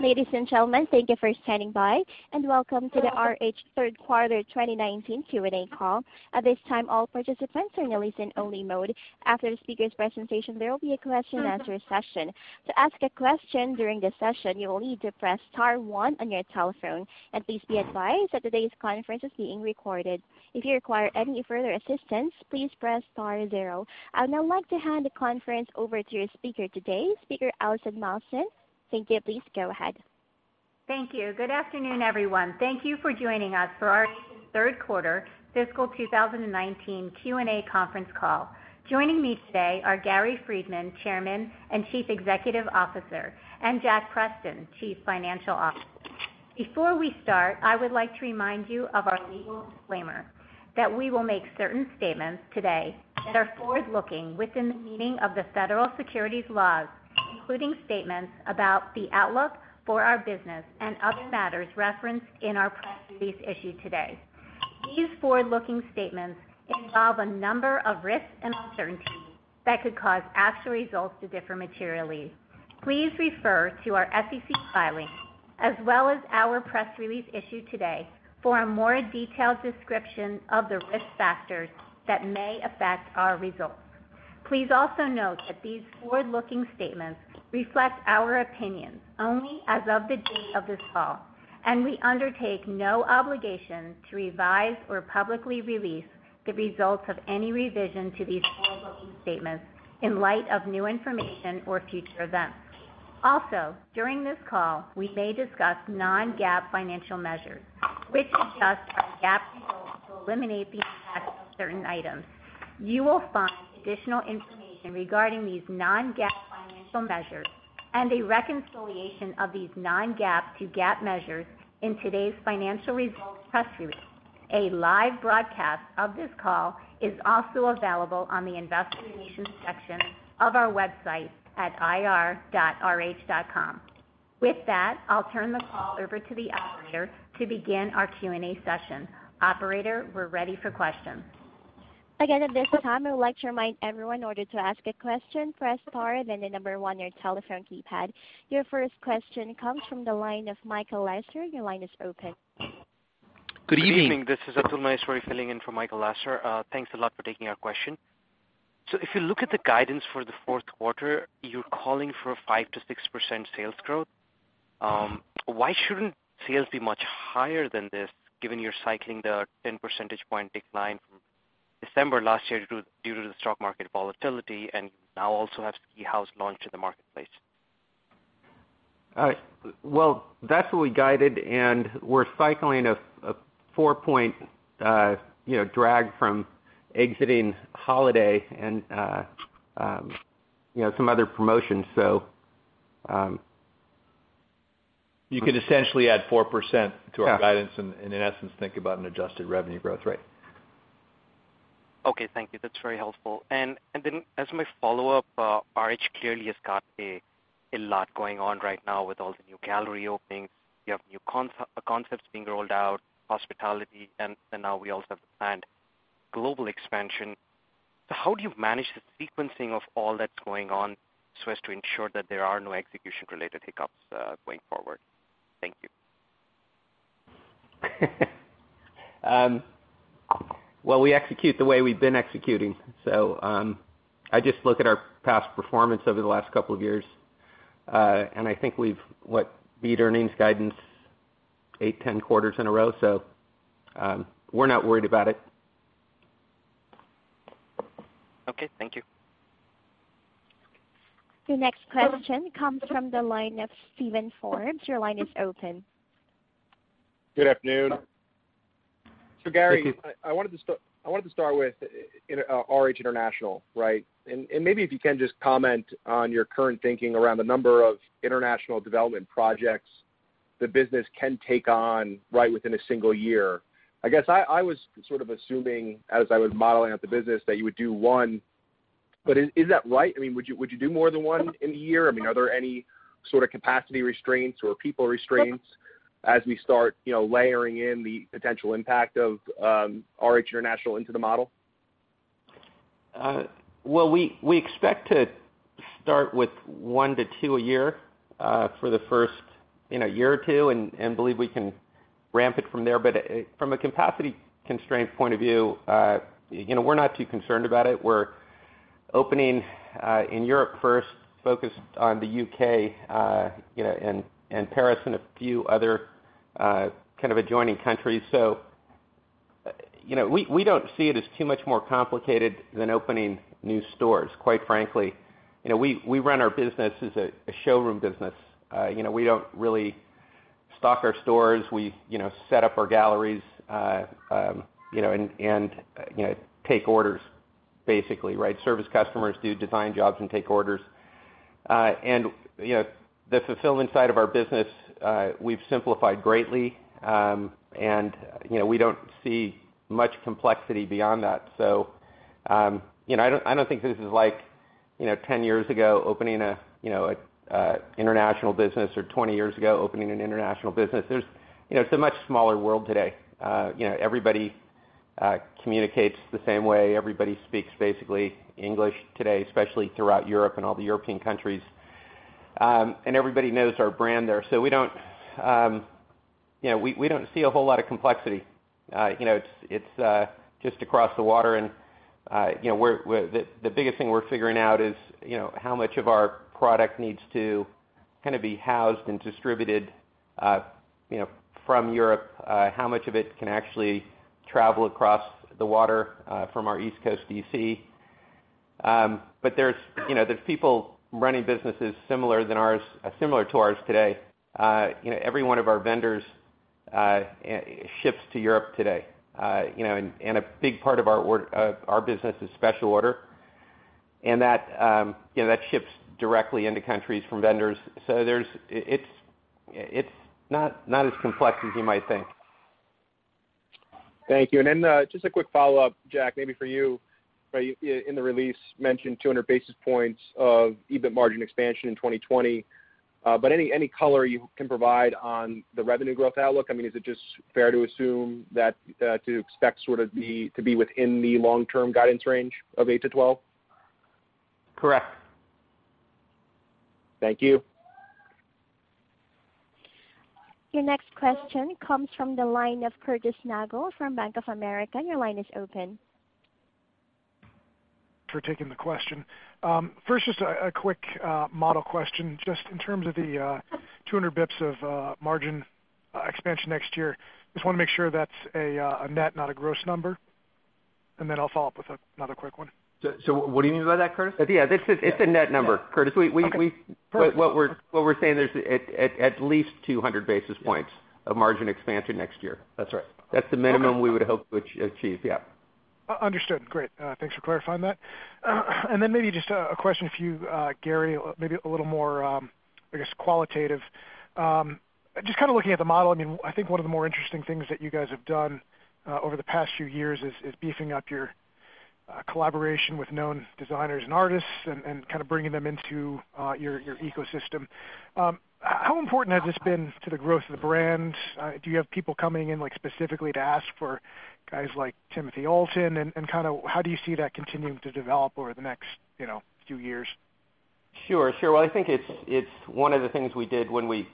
Ladies and gentlemen, thank you for standing by, and welcome to the RH Third Quarter 2019 Q&A Call. At this time, all participants are in listen only mode. After the speaker's presentation, there will be a question-and-answer session. To ask a question during the session, you will need to press star one on your telephone. Please be advised that today's conference is being recorded. If you require any further assistance, please press star zero. I would now like to hand the conference over to your speaker today, Speaker Allison Malkin. Thank you. Please go ahead. Thank you. Good afternoon, everyone. Thank you for joining us for our Third Quarter Fiscal 2019 Q&A Conference Call. Joining me today are Gary Friedman, Chairman and Chief Executive Officer, and Jack Preston, Chief Financial Officer. Before we start, I would like to remind you of our legal disclaimer, that we will make certain statements today that are forward-looking within the meaning of the federal securities laws, including statements about the outlook for our business and other matters referenced in our press release issued today. These forward-looking statements involve a number of risks and uncertainties that could cause actual results to differ materially. Please refer to our SEC filings as well as our press release issued today for a more detailed description of the risk factors that may affect our results. Please also note that these forward-looking statements reflect our opinions only as of the date of this call, and we undertake no obligation to revise or publicly release the results of any revision to these forward-looking statements in light of new information or future events. Also, during this call, we may discuss non-GAAP financial measures, which adjust our GAAP results to eliminate the impact of certain items. You will find additional information regarding these non-GAAP financial measures and a reconciliation of these non-GAAP to GAAP measures in today's financial results press release. A live broadcast of this call is also available on the investor relations section of our website at ir.rh.com. With that, I'll turn the call over to the operator to begin our Q&A session. Operator, we're ready for questions. At this time, I would like to remind everyone, in order to ask a question, press star then the number one on your telephone keypad. Your first question comes from the line of Michael Lasser. Your line is open. Good evening. This is Atul Maheswari filling in for Michael Lasser. Thanks a lot for taking our question. If you look at the guidance for the fourth quarter, you're calling for 5%-6% sales growth. Why shouldn't sales be much higher than this given you're cycling the 10 percentage point decline from December last year due to the stock market volatility and now also have Ski House launch in the marketplace? Well, that's what we guided, and we're cycling a four-point drag from exiting holiday and some other promotions. You could essentially add 4% to our guidance and in essence, think about an adjusted revenue growth rate. Okay. Thank you. That's very helpful. As my follow-up, RH clearly has got a lot going on right now with all the new gallery openings. You have new concepts being rolled out, hospitality, and now we also have the planned global expansion. How do you manage the sequencing of all that's going on so as to ensure that there are no execution related hiccups going forward? Thank you. Well, we execute the way we've been executing. I just look at our past performance over the last couple of years. I think we've beat earnings guidance eight, 10 quarters in a row. We're not worried about it. Okay. Thank you. The next question comes from the line of Steven Forbes. Your line is open. Good afternoon. Thank you. Gary, I wanted to start with RH International. Maybe if you can just comment on your current thinking around the number of international development projects the business can take on within a single year. I guess I was sort of assuming as I was modeling out the business that you would do one, but is that right? Would you do more than one in a year? Are there any sort of capacity restraints or people restraints as we start layering in the potential impact of RH International into the model? Well, we expect to start with one-two a year for the first year or two and believe we can ramp it from there. From a capacity constraint point of view, we're not too concerned about it. We're opening in Europe first, focused on the U.K., and Paris, and a few other kind of adjoining countries. We don't see it as too much more complicated than opening new stores, quite frankly. We run our business as a showroom business. We don't really stock our stores. We set up our galleries and take orders, basically. Service customers, do design jobs, and take orders. The fulfillment side of our business we've simplified greatly. We don't see much complexity beyond that. I don't think this is like 10 years ago opening an international business or 20 years ago opening an international business. It's a much smaller world today. Everybody communicates the same way. Everybody speaks basically English today, especially throughout Europe and all the European countries. Everybody knows our brand there. We don't see a whole lot of complexity. It's just across the water and the biggest thing we're figuring out is, how much of our product needs to be housed and distributed from Europe. How much of it can actually travel across the water from our East Coast D.C.? There's people running businesses similar to ours today. Every one of our vendors ships to Europe today. A big part of our business is special order, and that ships directly into countries from vendors. It's not as complex as you might think. Thank you. Just a quick follow-up, Jack, maybe for you. In the release, you mentioned 200 basis points of EBIT margin expansion in 2020. Any color you can provide on the revenue growth outlook? Is it just fair to assume that to expect sort of to be within the long-term guidance range of eight-twelve? Correct. Thank you. Your next question comes from the line of Curtis Nagle from Bank of America. Your line is open. For taking the question. First, just a quick model question, just in terms of the 200 basis points of margin expansion next year. Just want to make sure that's a net, not a gross number. I'll follow up with another quick one. What do you mean by that, Curtis? Yeah, it's a net number, Curtis. Okay. Perfect. What we're saying there's at least 200 basis points of margin expansion next year. That's right. That's the minimum we would hope to achieve. Yeah. Understood. Great. Thanks for clarifying that. Maybe just a question for you, Gary, maybe a little more, I guess, qualitative. Just looking at the model, I think one of the more interesting things that you guys have done over the past few years is beefing up your collaboration with known designers and artists and kind of bringing them into your ecosystem. How important has this been to the growth of the brand? Do you have people coming in specifically to ask for guys like Timothy Oulton and how do you see that continuing to develop over the next few years? Well, I think it's one of the things we did when we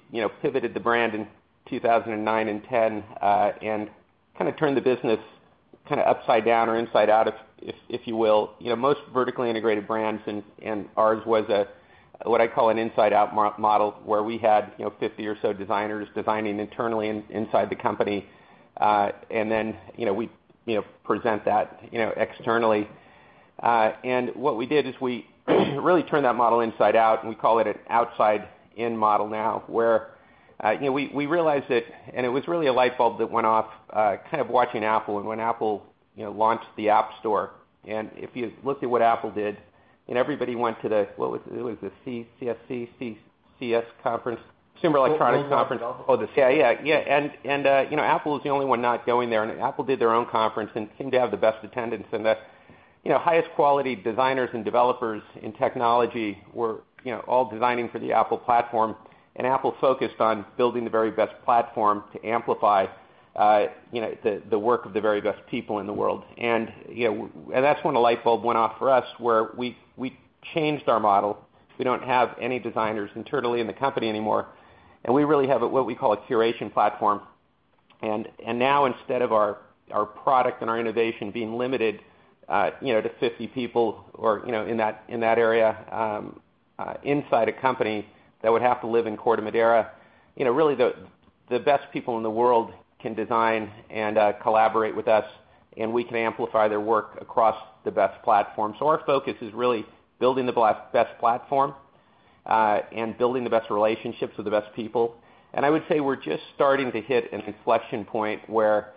pivoted the brand in 2009 and 2010, and kind of turned the business upside down or inside out, if you will. Most vertically integrated brands, ours was a, what I call an inside-out model, where we had 50 or so designers designing internally inside the company. Then we present that externally. What we did is we really turned that model inside out, we call it an outside-in model now, where we realized that, it was really a light bulb that went off kind of watching Apple and when Apple launched the App Store. If you look at what Apple did, everybody went to the Consumer Electronics Conference. Yeah. Apple was the only one not going there, Apple did their own conference and seemed to have the best attendance and the highest quality designers and developers in technology were all designing for the Apple platform. Apple focused on building the very best platform to amplify the work of the very best people in the world. That's when a light bulb went off for us, where we changed our model. We don't have any designers internally in the company anymore, we really have what we call a curation platform. Now instead of our product and our innovation being limited to 50 people or in that area inside a company that would have to live in Corte Madera, really the best people in the world can design and collaborate with us, we can amplify their work across the best platform. Our focus is really building the best platform, and building the best relationships with the best people. I would say we're just starting to hit an inflection point where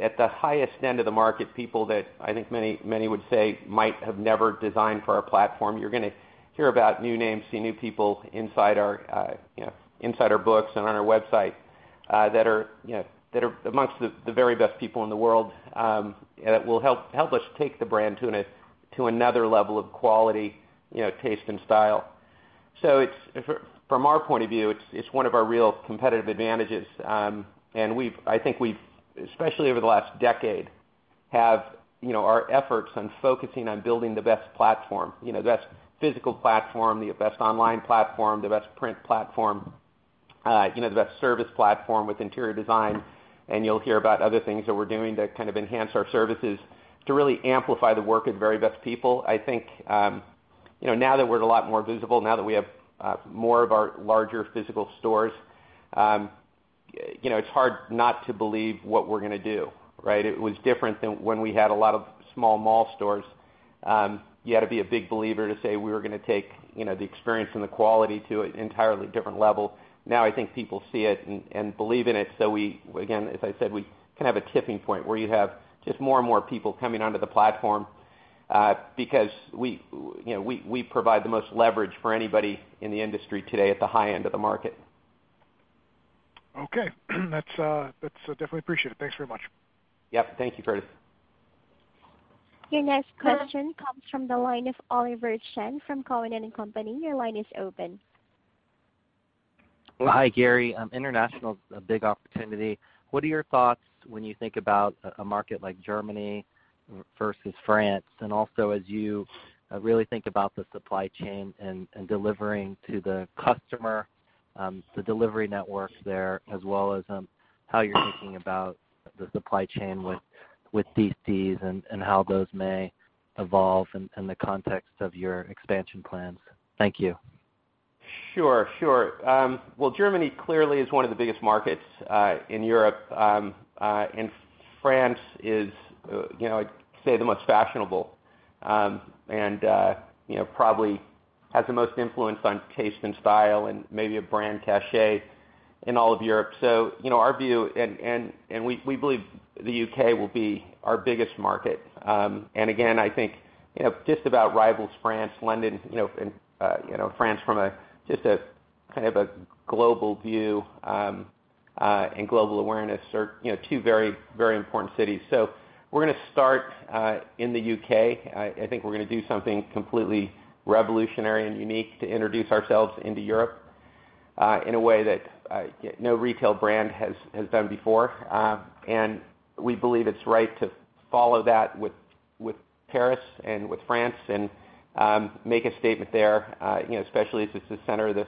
at the highest end of the market, people that I think many would say might have never designed for our platform, you're going to hear about new names, see new people inside our books and on our website, that are amongst the very best people in the world, that will help us take the brand to another level of quality, taste, and style. From our point of view, it's one of our real competitive advantages. I think we've, especially over the last decade, have our efforts on focusing on building the best platform, the best physical platform, the best online platform, the best print platform, the best service platform with interior design, and you'll hear about other things that we're doing to kind of enhance our services to really amplify the work of very best people. Now that we're a lot more visible, now that we have more of our larger physical stores, it's hard not to believe what we're going to do, right? It was different than when we had a lot of small mall stores. You had to be a big believer to say we were going to take the experience and the quality to an entirely different level. Now I think people see it and believe in it. Again, as I said, we kind of have a tipping point where you have just more and more people coming onto the platform, because we provide the most leverage for anybody in the industry today at the high end of the market. Okay. That's definitely appreciated. Thanks very much. Yep. Thank you, Curtis. Your next question comes from the line of Oliver Chen from Cowen and Company. Your line is open. Hi, Gary. International is a big opportunity. What are your thoughts when you think about a market like Germany versus France? Also as you really think about the supply chain and delivering to the customer, the delivery network there, as well as how you're thinking about the supply chain with DCs and how those may evolve in the context of your expansion plans. Thank you. Sure. Well, Germany clearly is one of the biggest markets in Europe. France is I'd say the most fashionable, and probably has the most influence on taste and style and maybe a brand cachet in all of Europe. Our view, we believe the U.K. will be our biggest market. Again, I think just about rivals France, London, and France from just a kind of a global view, and global awareness are two very important cities. We're going to start in the U.K. I think we're going to do something completely revolutionary and unique to introduce ourselves into Europe, in a way that no retail brand has done before. We believe it's right to follow that with Paris and with France and make a statement there, especially as it's the center of the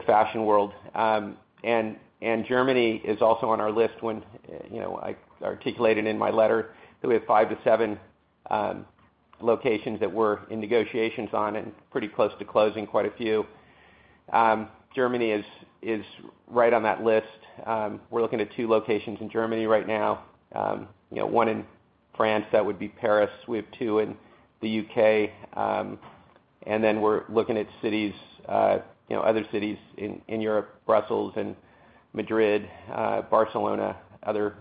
fashion world. Germany is also on our list when I articulated in my letter that we have five to seven locations that we're in negotiations on and pretty close to closing quite a few. Germany is right on that list. We're looking at two locations in Germany right now. One in France, that would be Paris, we have two in the U.K. Then we're looking at other cities in Europe, Brussels, and Madrid, Barcelona, other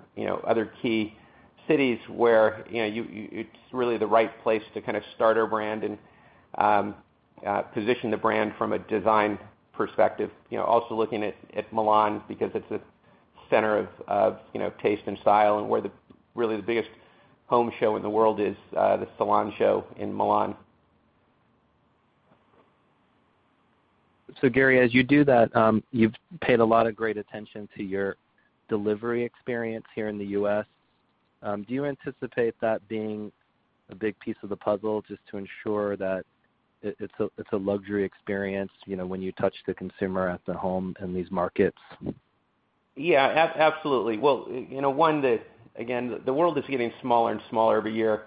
key cities where it's really the right place to kind of start our brand and position the brand from a design perspective. Also looking at Milan because it's a center of taste and style and where really the biggest home show in the world is, the Salone del Mobile in Milan. Gary, as you do that, you've paid a lot of great attention to your delivery experience here in the U.S. Do you anticipate that being a big piece of the puzzle just to ensure that it's a luxury experience when you touch the consumer at the home in these markets? Yeah, absolutely. Well, one that, again, the world is getting smaller and smaller every year.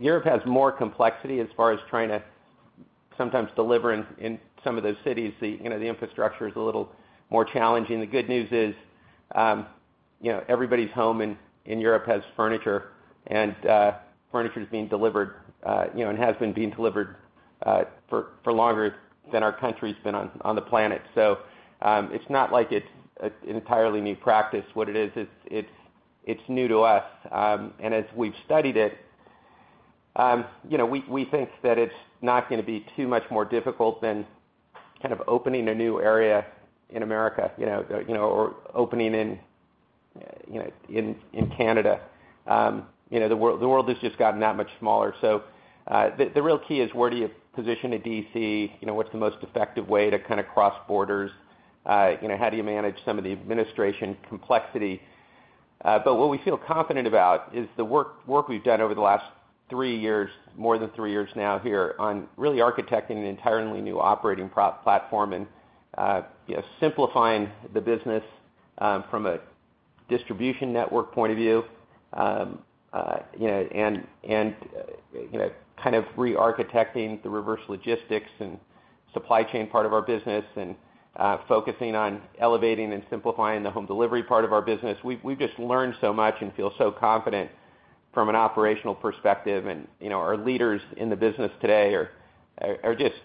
Europe has more complexity as far as trying to sometimes deliver in some of those cities. The infrastructure is a little more challenging. The good news is everybody's home in Europe has furniture, and furniture's being delivered and has been being delivered for longer than our country's been on the planet. It's not like it's an entirely new practice. What it is, it's new to us. As we've studied it, we think that it's not going to be too much more difficult than kind of opening a new area in America or opening in Canada. The world has just gotten that much smaller. The real key is where do you position a DC? What's the most effective way to kind of cross borders? How do you manage some of the administration complexity? What we feel confident about is the work we've done over the last three years, more than three years now here on really architecting an entirely new operating platform and simplifying the business from a distribution network point of view. Kind of re-architecting the reverse logistics and supply chain part of our business and focusing on elevating and simplifying the home delivery part of our business. We've just learned so much and feel so confident from an operational perspective and our leaders in the business today are just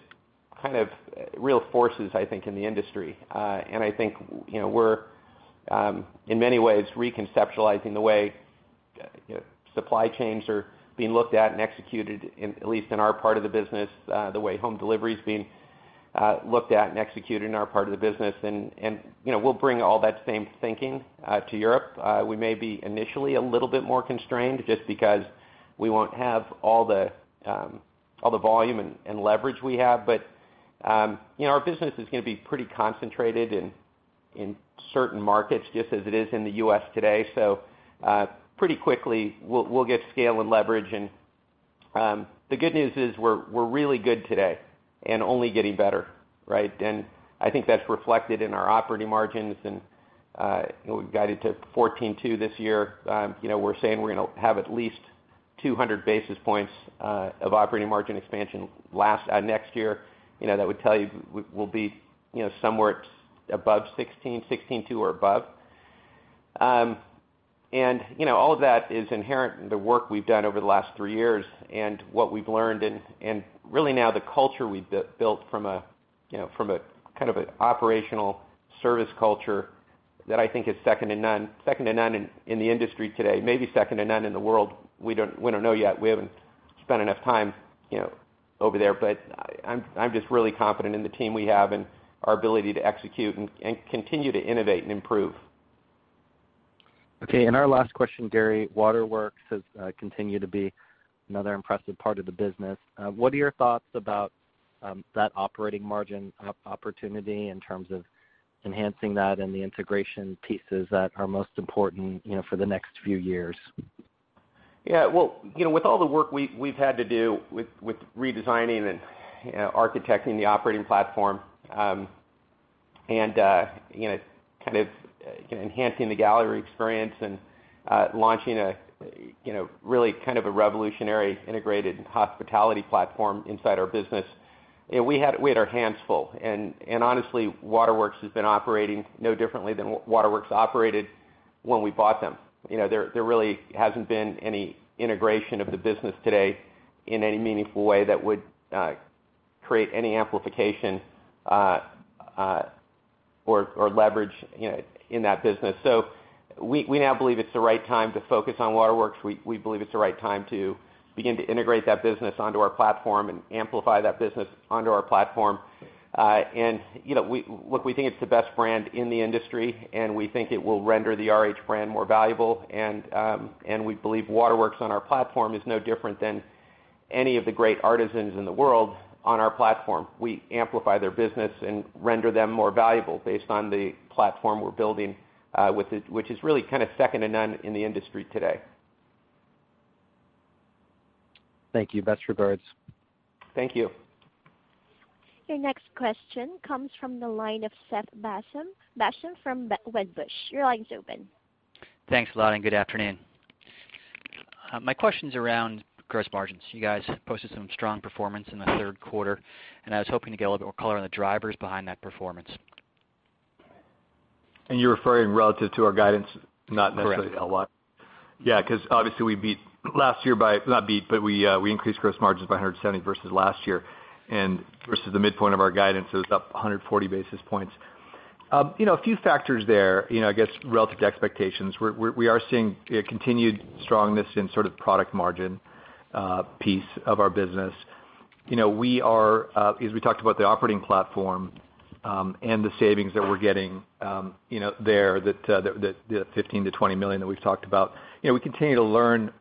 kind of real forces, I think, in the industry. I think we're in many ways, reconceptualizing the way supply chains are being looked at and executed, at least in our part of the business, the way home delivery is being looked at and executed in our part of the business. We'll bring all that same thinking to Europe. We may be initially a little bit more constrained just because we won't have all the volume and leverage we have. Our business is going to be pretty concentrated in certain markets, just as it is in the U.S. today. Pretty quickly we'll get scale and leverage and the good news is we're really good today and only getting better. Right? I think that's reflected in our operating margins and we've guided to 14.2% this year. We're saying we're going to have at least 200 basis points of operating margin expansion next year. That would tell you we'll be somewhere at 16.2% or above. All of that is inherent in the work we've done over the last three years and what we've learned and really now the culture we've built from a kind of an operational service culture that I think is second to none in the industry today, maybe second to none in the world. We don't know yet. We haven't spent enough time over there. I'm just really confident in the team we have and our ability to execute and continue to innovate and improve. Okay. Our last question, Gary, Waterworks has continued to be another impressive part of the business. What are your thoughts about that operating margin opportunity in terms of enhancing that and the integration pieces that are most important for the next few years? With all the work we've had to do with redesigning and architecting the operating platform, and enhancing the gallery experience and launching really a revolutionary integrated hospitality platform inside our business, we had our hands full. Honestly, Waterworks has been operating no differently than Waterworks operated when we bought them. There really hasn't been any integration of the business today in any meaningful way that would create any amplification or leverage in that business. We now believe it's the right time to focus on Waterworks. We believe it's the right time to begin to integrate that business onto our platform and amplify that business onto our platform. Look, we think it's the best brand in the industry, and we think it will render the RH brand more valuable. We believe Waterworks on our platform is no different than any of the great artisans in the world on our platform. We amplify their business and render them more valuable based on the platform we're building, which is really second to none in the industry today. Thank you. Best regards. Thank you. Your next question comes from the line of Seth Basham from Wedbush. Your line's open. Thanks a lot. Good afternoon. My question's around gross margins. You guys posted some strong performance in the third quarter. I was hoping to get a little bit more color on the drivers behind that performance. You're referring relative to our guidance, not necessarily LY? Correct. Yeah, because obviously we increased gross margins by 170 versus last year, and versus the midpoint of our guidance, it was up 140 basis points. A few factors there, I guess, relative to expectations. We are seeing a continued strongness in sort of product margin piece of our business. As we talked about the operating platform, and the savings that we're getting there, the $15 million-$20 million that we've talked about. We continue to learn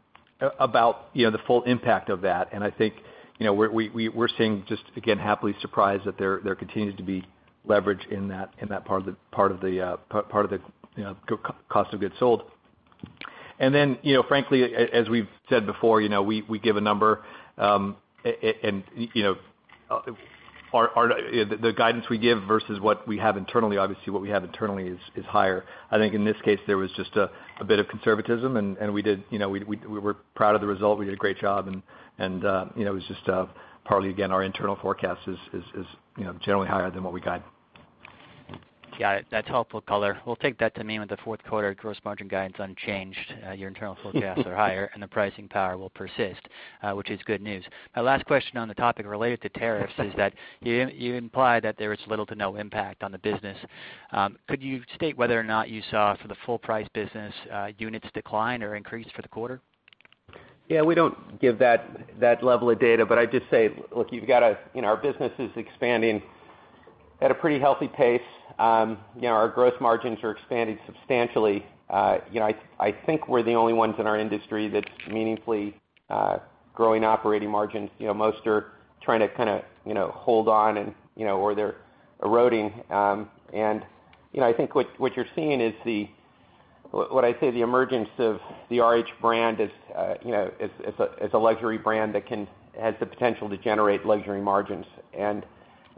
about the full impact of that, and I think we're seeing just, again, happily surprised that there continues to be leverage in that part of the cost of goods sold. Then, frankly, as we've said before, we give a number, the guidance we give versus what we have internally, obviously what we have internally is higher. I think in this case, there was just a bit of conservatism, and we're proud of the result. We did a great job and it was just partly, again, our internal forecast is generally higher than what we guide. Got it. That's helpful color. We'll take that to mean with the fourth quarter gross margin guidance unchanged, your internal forecasts are higher and the pricing power will persist, which is good news. My last question on the topic related to tariffs is that you implied that there is little to no impact on the business. Could you state whether or not you saw for the full price business units decline or increase for the quarter? Yeah, we don't give that level of data, but I'd just say, look, our business is expanding at a pretty healthy pace. Our gross margins are expanding substantially. I think we're the only ones in our industry that's meaningfully growing operating margins. Most are trying to kind of hold on or they're eroding. I think what you're seeing is what I'd say the emergence of the RH brand as a luxury brand that has the potential to generate luxury margins.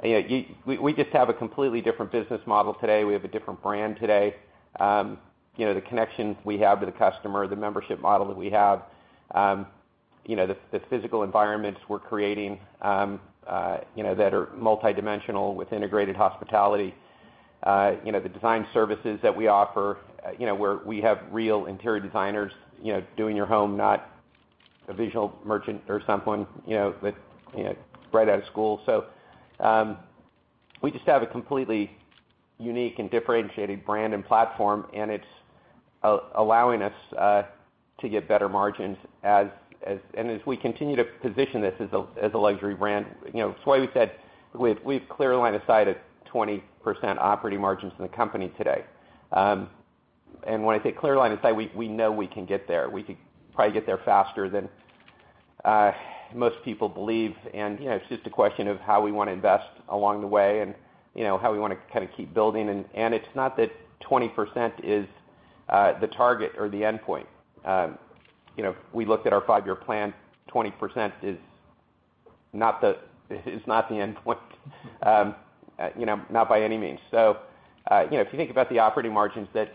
We just have a completely different business model today. We have a different brand today. The connections we have to the customer, the membership model that we have, the physical environments we're creating that are multidimensional with integrated hospitality, the design services that we offer where we have real interior designers doing your home, not a visual merchant or someone that's right out of school. We just have a completely unique and differentiated brand and platform, and it's allowing us to get better margins. As we continue to position this as a luxury brand, it's why we said we've clear lined of sight of 20% operating margins in the company today. When I say clear line of sight, we know we can get there. We could probably get there faster than most people believe. It's just a question of how we want to invest along the way and how we want to keep building. It's not that 20% is the target or the endpoint. We looked at our five-year plan, 20% is not the endpoint not by any means. If you think about the operating margins that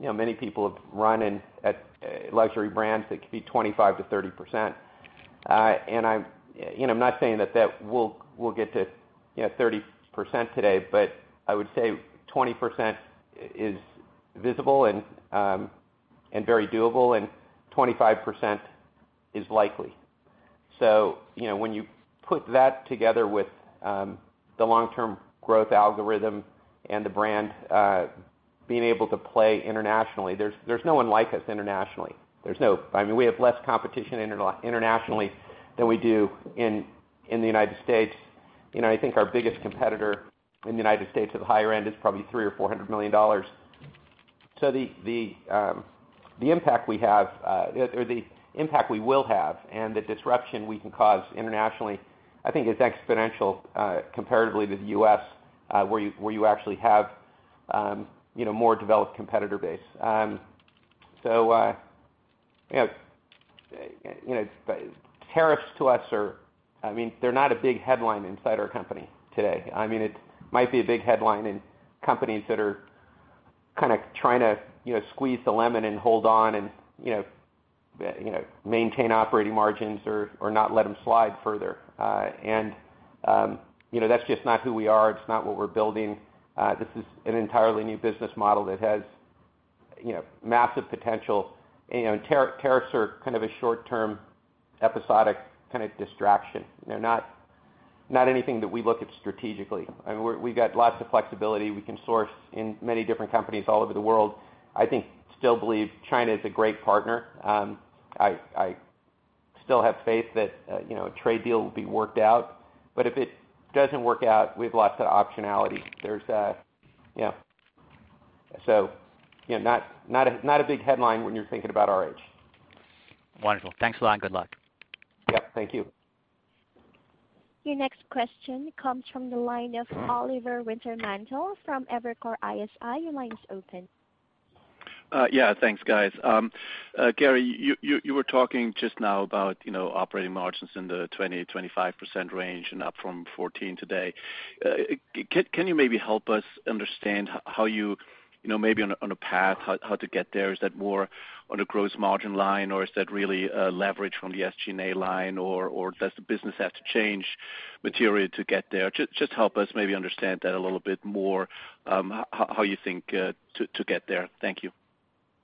many people have run at luxury brands, that could be 25%-30%. I'm not saying that we'll get to 30% today, but I would say 20% is visible and very doable and 25% is likely. When you put that together with the long-term growth algorithm and the brand being able to play internationally, there's no one like us internationally. We have less competition internationally than we do in the United States. I think our biggest competitor in the U.S. at the higher end is probably $3 million or $400 million. The impact we will have and the disruption we can cause internationally, I think is exponential comparatively to the U.S., where you actually have more developed competitor base. Tariffs to us are not a big headline inside our company today. It might be a big headline in companies that are trying to squeeze the lemon and hold on and maintain operating margins or not let them slide further. That's just not who we are. It's not what we're building. This is an entirely new business model that has massive potential. Tariffs are a short-term episodic distraction. They're not anything that we look at strategically. We got lots of flexibility. We can source in many different companies all over the world. I think, still believe China is a great partner. I still have faith that a trade deal will be worked out. If it doesn't work out, we have lots of optionality. Not a big headline when you're thinking about RH. Wonderful. Thanks a lot, and good luck. Yeah. Thank you. Your next question comes from the line of Oliver Wintermantel from Evercore ISI. Your line is open. Yeah. Thanks, guys. Gary, you were talking just now about operating margins in the 20%-25% range and up from 14% today. Can you maybe help us understand how you on a path, how to get there? Is that more on the gross margin line, or is that really leverage from the SG&A line, or does the business have to change materially to get there? Just help us maybe understand that a little bit more, how you think to get there. Thank you.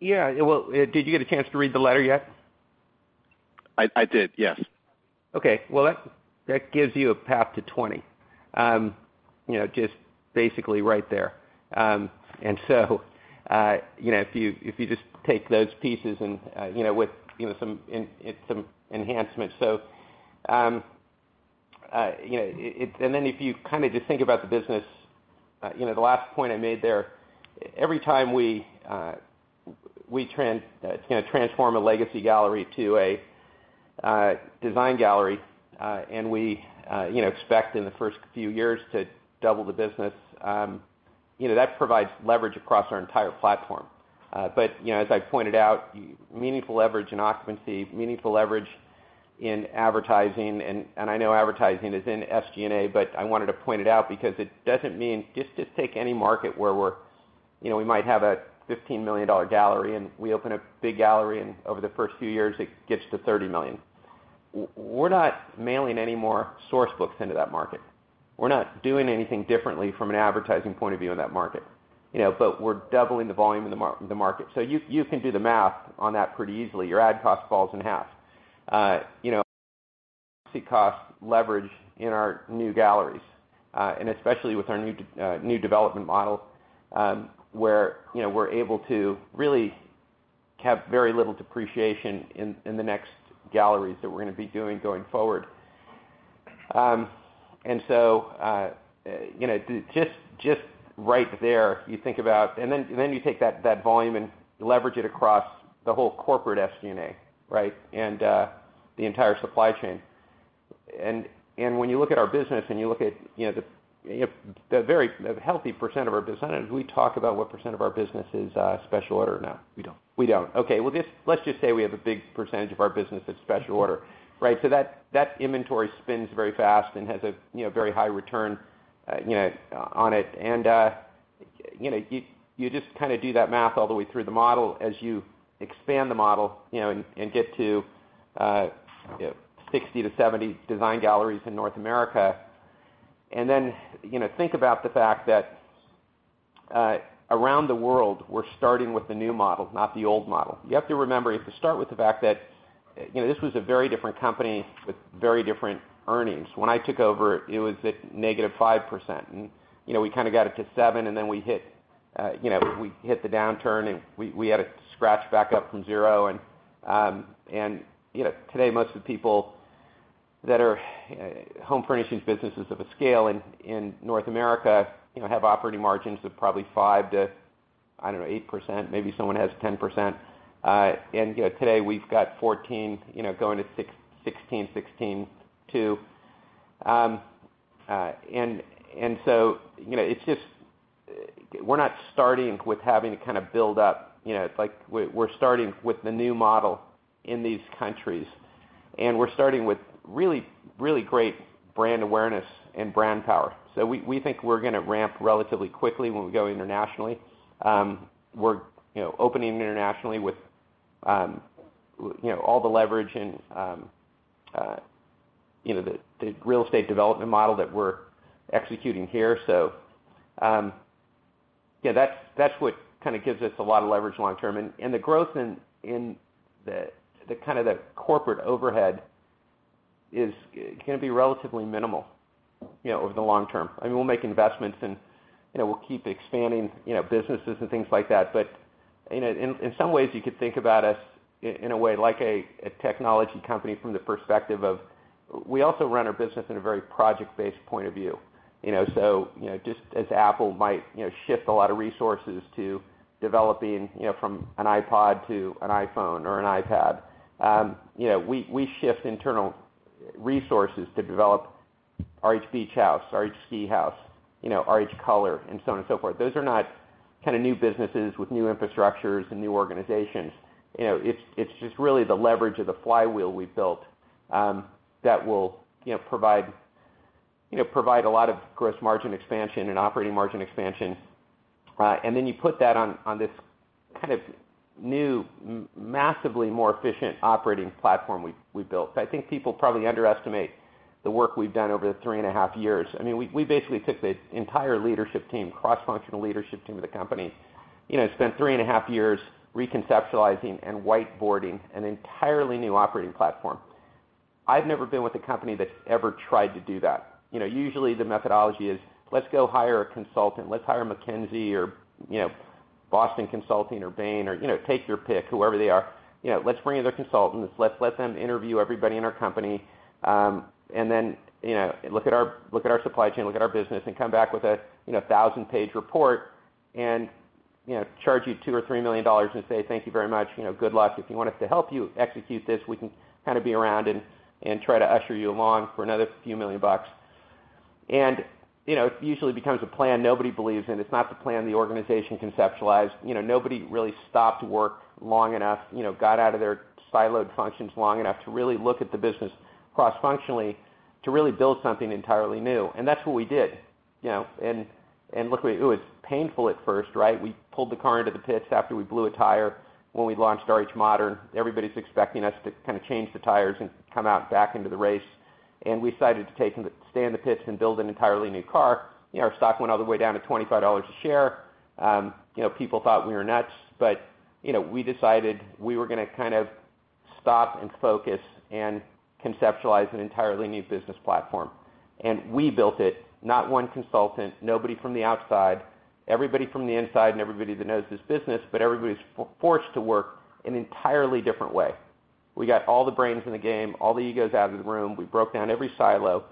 Yeah. Well, did you get a chance to read the letter yet? I did, yes. Well, that gives you a path to 20%. Basically right there. If you just take those pieces and with some enhancements. If you just think about the business, the last point I made there, every time we transform a legacy gallery to a design gallery, and we expect in the first few years to double the business, that provides leverage across our entire platform. As I pointed out, meaningful leverage in occupancy, meaningful leverage in advertising, and I know advertising is in SG&A, but I wanted to point it out because it doesn't mean take any market where we might have a $15 million gallery, and we open a big gallery, and over the first few years, it gets to $30 million. We're not mailing any more source books into that market. We're not doing anything differently from an advertising point of view in that market. We're doubling the volume in the market. You can do the math on that pretty easily. Your ad cost falls in half. See cost leverage in our new galleries. Especially with our new development model, where we're able to really have very little depreciation in the next galleries that we're going to be doing going forward. Just right there, you think about and then you take that volume and leverage it across the whole corporate SG&A, right? The entire supply chain. When you look at our business and you look at the very healthy percent of our business. Do we talk about what percent of our business is special order or no? We don't. We don't. Okay. Let's just say we have a big percentof our business that's special order, right? That inventory spins very fast and has a very high return on it. You just do that math all the way through the model as you expand the model and get to 60%-70% design galleries in North America. Think about the fact that around the world, we're starting with the new model, not the old model. You have to remember, you have to start with the fact that this was a very different company with very different earnings. When I took over, it was at -5%. We got it to 7%, we hit the downturn, we had to scratch back up from 0%. Today, most of the people that are home furnishings businesses of a scale in North America have operating margins of probably 5%-8%, maybe someone has 10%. Today we've got 14% going to 16.2%. We're not starting with having to build up. We're starting with the new model in these countries. We're starting with really great brand awareness and brand power. We think we're going to ramp relatively quickly when we go internationally. We're opening internationally with all the leverage and the real estate development model that we're executing here. That's what gives us a lot of leverage long term. The growth in the corporate overhead is going to be relatively minimal over the long term. We'll make investments, and we'll keep expanding businesses and things like that. In some ways, you could think about us in a way like a technology company from the perspective of, we also run our business in a very project-based point of view. Just as Apple might shift a lot of resources to developing from an iPod to an iPhone or an iPad, we shift internal resources to develop RH Beach House, RH Ski House, RH Color, and so on and so forth. Those are not new businesses with new infrastructures and new organizations. It's just really the leverage of the flywheel we've built that will provide a lot of gross margin expansion and operating margin expansion. You put that on this new, massively more efficient operating platform we've built. I think people probably underestimate the work we've done over the 3.5 years. We basically took the entire leadership team, cross-functional leadership team of the company, spent 3.5 years reconceptualizing and whiteboarding an entirely new operating platform. I've never been with a company that's ever tried to do that. Usually the methodology is, "Let's go hire a consultant. Let's hire McKinsey or Boston Consulting or Bain," or take your pick, whoever they are. "Let's bring in the consultants. Let's let them interview everybody in our company, and then look at our supply chain, look at our business, and come back with 1,000-page report and charge you $2 million or $3 million and say thank you very much. Good luck. If you want us to help you execute this, we can be around and try to usher you along for another few million dollars." It usually becomes a plan nobody believes in. It's not the plan the organization conceptualized. Nobody really stopped work long enough, got out of their siloed functions long enough to really look at the business cross-functionally to really build something entirely new. That's what we did. Look, it was painful at first, right? We pulled the car into the pits after we blew a tire when we launched RH Modern. Everybody's expecting us to change the tires and come out back into the race. We decided to stay in the pits and build an entirely new car. Our stock went all the way down to $25 a share. People thought we were nuts, but we decided we were going to stop and focus and conceptualize an entirely new business platform. We built it. Not one consultant, nobody from the outside. Everybody from the inside and everybody that knows this business, but everybody's forced to work in an entirely different way. We got all the brains in the game, all the egos out of the room. We broke down every silo.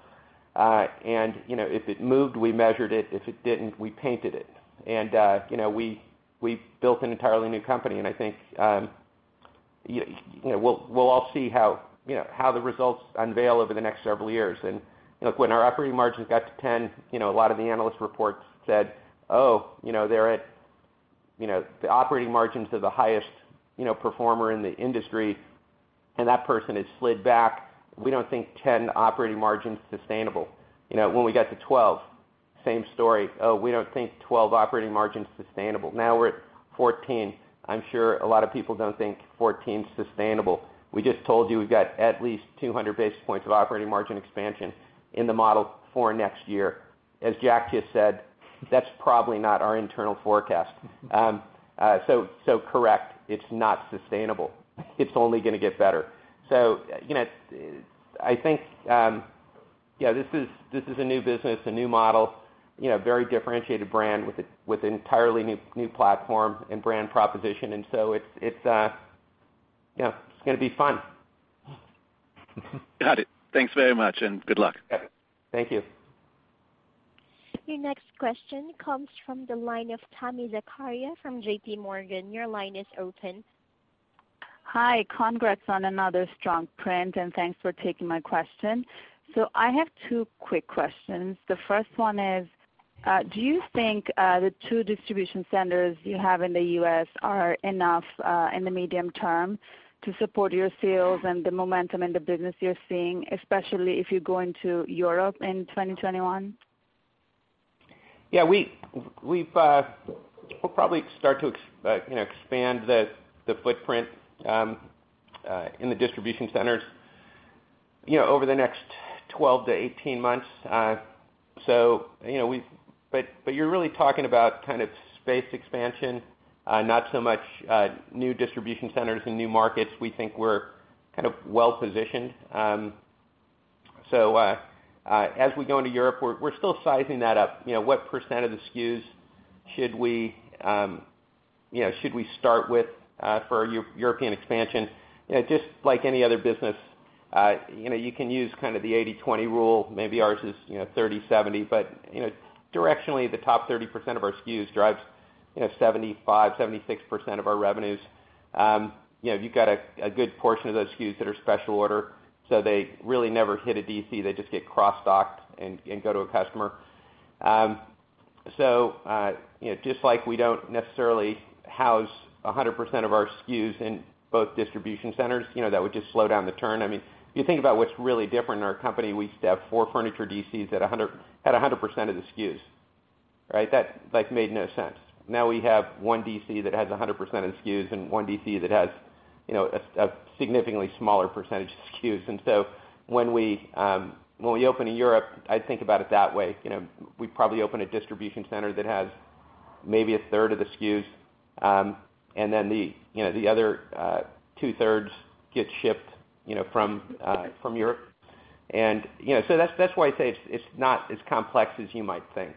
If it moved, we measured it. If it didn't, we painted it. We built an entirely new company. I think we'll all see how the results unveil over the next several years. When our operating margins got to 10%, a lot of the analyst reports said, "Oh, the operating margins are the highest performer in the industry, and that person has slid back. We don't think 10% operating margin's sustainable." When we got to 12%, same story. "Oh, we don't think 12% operating margin's sustainable." Now we're at 14%. I'm sure a lot of people don't think 14% is sustainable. We just told you we've got at least 200 basis points of operating margin expansion in the model for next year. As Jack just said, that's probably not our internal forecast. Correct, it's not sustainable. It's only going to get better. I think this is a new business, a new model, very differentiated brand with an entirely new platform and brand proposition. It's going to be fun. Got it. Thanks very much, and good luck. Thank you. Your next question comes from the line of Tami Zakaria from JPMorgan. Your line is open. Hi. Congrats on another strong print, and thanks for taking my question. I have two quick questions. The first one is, do you think the two distribution centers you have in the U.S. are enough in the medium term to support your sales and the momentum in the business you're seeing, especially if you go into Europe in 2021? Yeah, we'll probably start to expand the footprint in the distribution centers over the next 12-18 months. You're really talking about space expansion, not so much new distribution centers and new markets. We think we're well-positioned. As we go into Europe, we're still sizing that up. What % of the SKUs should we start with for our European expansion? Just like any other business, you can use the 80/20 rule. Maybe ours is 30/70. Directionally, the top 30% of our SKUs drives 75%, 76% of our revenues. You've got a good portion of those SKUs that are special order, they really never hit a DC. They just get cross-docked and go to a customer. Just like we don't necessarily house 100% of our SKUs in both distribution centers, that would just slow down the turn. If you think about what's really different in our company, we used to have four furniture DCs at 100% of the SKUs, right? That made no sense. Now we have one DC that has 100% of the SKUs and one DC that has a significantly smaller percentage of SKUs. When we open in Europe, I think about it that way. We probably open a distribution center that has maybe 1/3 of the SKUs, and then the other 2/3 get shipped from Europe. That's why I say it's not as complex as you might think.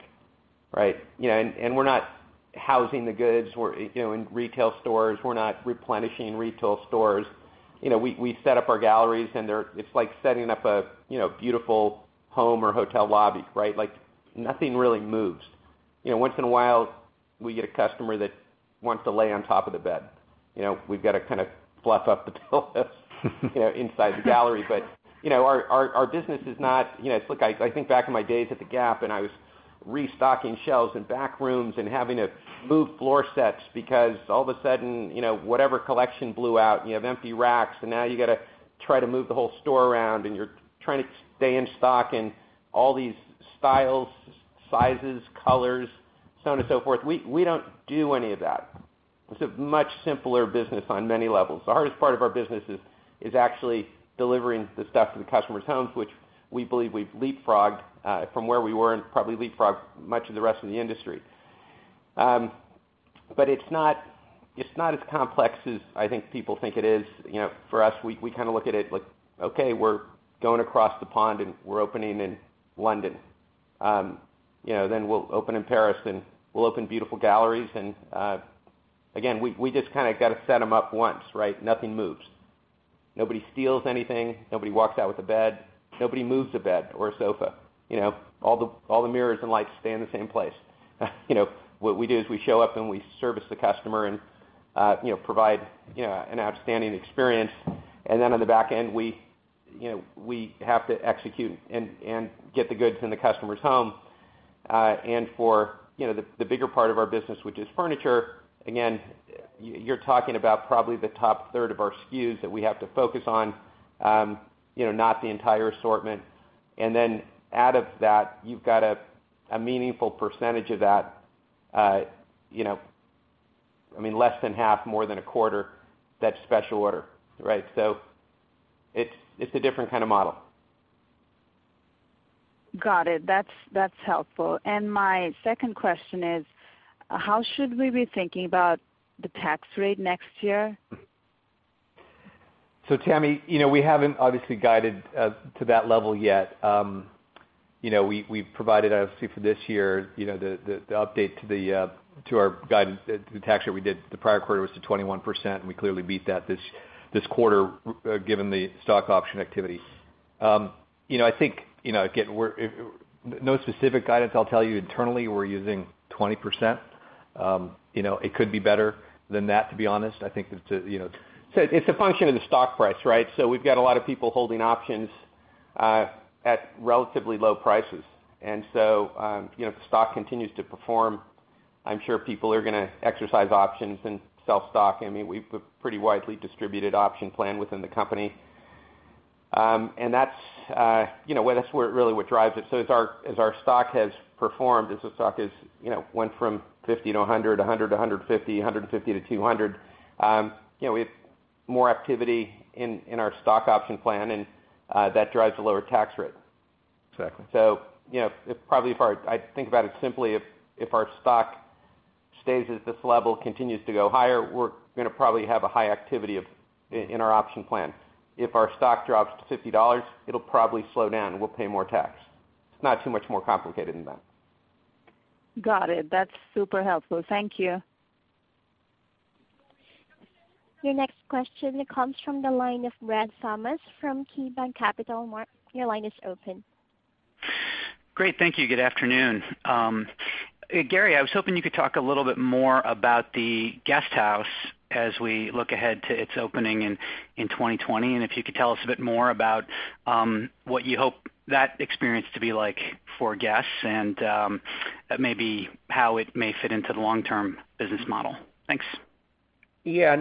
Right? We're not housing the goods in retail stores. We're not replenishing retail stores. We set up our galleries, and it's like setting up a beautiful home or hotel lobby, right? Nothing really moves. Once in a while, we get a customer that wants to lay on top of the bed. We've got to kind of fluff up the pillows inside the gallery. Our business is not. Look, I think back in my days at The Gap, and I was restocking shelves and back rooms and having to move floor sets because all of a sudden, whatever collection blew out, you have empty racks, and now you got to try to move the whole store around, and you're trying to stay in stock in all these styles, sizes, colors, so on and so forth. We don't do any of that. It's a much simpler business on many levels. The hardest part of our business is actually delivering the stuff to the customers' homes, which we believe we've leapfrogged from where we were and probably leapfrogged much of the rest of the industry. It's not as complex as I think people think it is. For us, we kind of look at it like, okay, we're going across the pond. We're opening in London. We'll open in Paris, and we'll open beautiful galleries. Again, we just kind of got to set them up once, right? Nothing moves. Nobody steals anything. Nobody walks out with a bed. Nobody moves a bed or a sofa. All the mirrors and lights stay in the same place. What we do is we show up, and we service the customer and provide an outstanding experience. On the back end, we have to execute and get the goods in the customer's home. For the bigger part of our business, which is furniture, again, you're talking about probably the top third of our SKUs that we have to focus on, not the entire assortment. Out of that, you've got a meaningful percentage of that, I mean, less than 1/2, more than a 1/4, that's special order, right? It's a different kind of model. Got it. That's helpful. My second question is, how should we be thinking about the tax rate next year? Tami, we haven't obviously guided to that level yet. We've provided, obviously, for this year, the update to our guidance, the tax rate we did the prior quarter was to 21%, and we clearly beat that this quarter given the stock option activity. I think, again, no specific guidance. I'll tell you internally, we're using 20%. It could be better than that, to be honest. I think it's a function of the stock price, right? We've got a lot of people holding options at relatively low prices. If the stock continues to perform, I'm sure people are going to exercise options and sell stock. I mean, we've a pretty widely distributed option plan within the company. That's really what drives it. As our stock has performed, as the stock went from $50-$100, $100-$150, $150-$200, we have more activity in our stock option plan, and that drives a lower tax rate. Exactly. Probably if I think about it simply, if our stock stays at this level, continues to go higher, we're going to probably have a high activity in our option plan. If our stock drops to $50, it'll probably slow down, and we'll pay more tax. It's not too much more complicated than that. Got it. That's super helpful. Thank you. Your next question comes from the line of Brad Thomas from KeyBanc Capital Markets, your line is open. Great. Thank you. Good afternoon. Gary, I was hoping you could talk a little bit more about the Guesthouse as we look ahead to its opening in 2020. If you could tell us a bit more about what you hope that experience to be like for guests and maybe how it may fit into the long-term business model. Thanks. Yeah.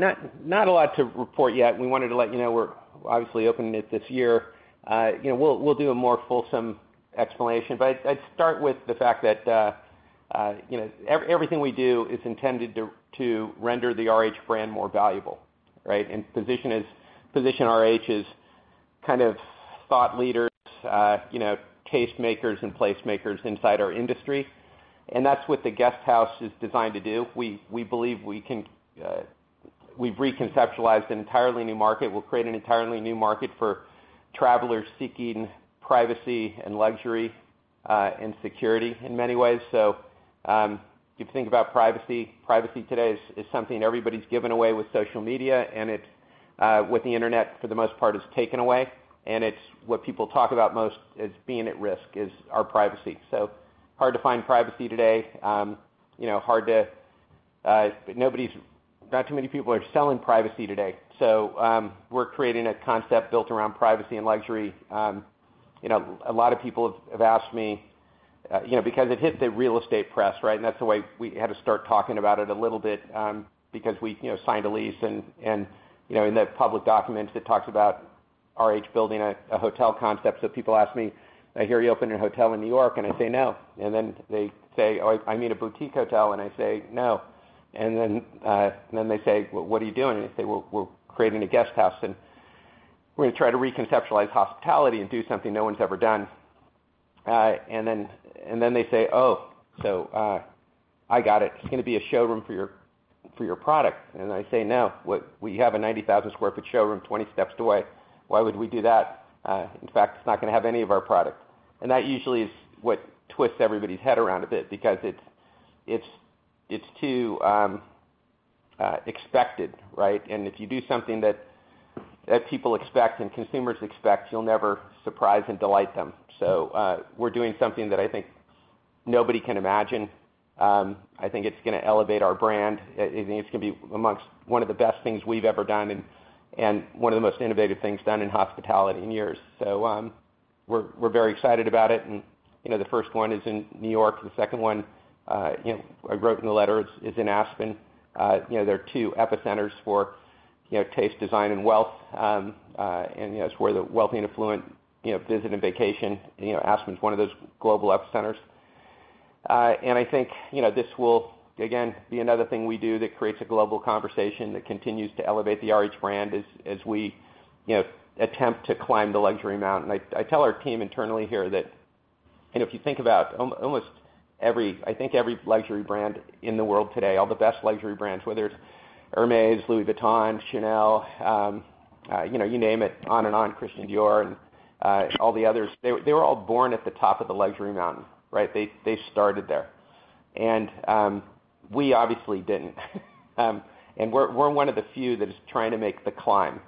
Not a lot to report yet. We wanted to let you know we're obviously opening it this year. We'll do a more fulsome explanation. I'd start with the fact that everything we do is intended to render the RH brand more valuable, right? Position RH as kind of thought leaders, tastemakers, and placemakers inside our industry, and that's what the RH Guesthouse is designed to do. We believe we've reconceptualized an entirely new market. We'll create an entirely new market for travelers seeking privacy and luxury and security in many ways. If you think about privacy today is something everybody's given away with social media, and with the internet, for the most part, it's taken away, and it's what people talk about most as being at risk, is our privacy. Hard to find privacy today. Not too many people are selling privacy today. We're creating a concept built around privacy and luxury. A lot of people have asked me. Because it hit the real estate press, right? That's the way we had to start talking about it a little bit, because we signed a lease, and in the public documents, it talks about RH building a hotel concept. People ask me, "I hear you opened a hotel in New York," and I say, "No." They say, "Oh, I mean a boutique hotel," and I say, "No." They say, "Well, what are you doing?" I say, "We're creating a Guesthouse, and we're going to try to reconceptualize hospitality and do something no one's ever done." They say, "Oh, so I got it. It's going to be a showroom for your product." I say, "No. We have a 90,000 sq ft showroom 20 steps away. Why would we do that? It's not going to have any of our product. That usually is what twists everybody's head around a bit because it's too expected, right? If you do something that people expect and consumers expect, you'll never surprise and delight them. We're doing something that I think nobody can imagine. I think it's going to elevate our brand. I think it's going to be amongst one of the best things we've ever done and one of the most innovative things done in hospitality in years. We're very excited about it, and the first one is in New York. The second one, I wrote in the letter, is in Aspen. They're two epicenters for taste, design, and wealth. It's where the wealthy and affluent visit and vacation. Aspen's one of those global epicenters. I think this will, again, be another thing we do that creates a global conversation that continues to elevate the RH brand as we attempt to climb the luxury mountain. I tell our team internally here that if you think about almost every luxury brand in the world today, all the best luxury brands, whether it's Hermès, Louis Vuitton, Chanel, you name it, on and on, Christian Dior, and all the others. They were all born at the top of the luxury mountain, right? They started there. We obviously didn't and we're one of the few that is trying to make the climb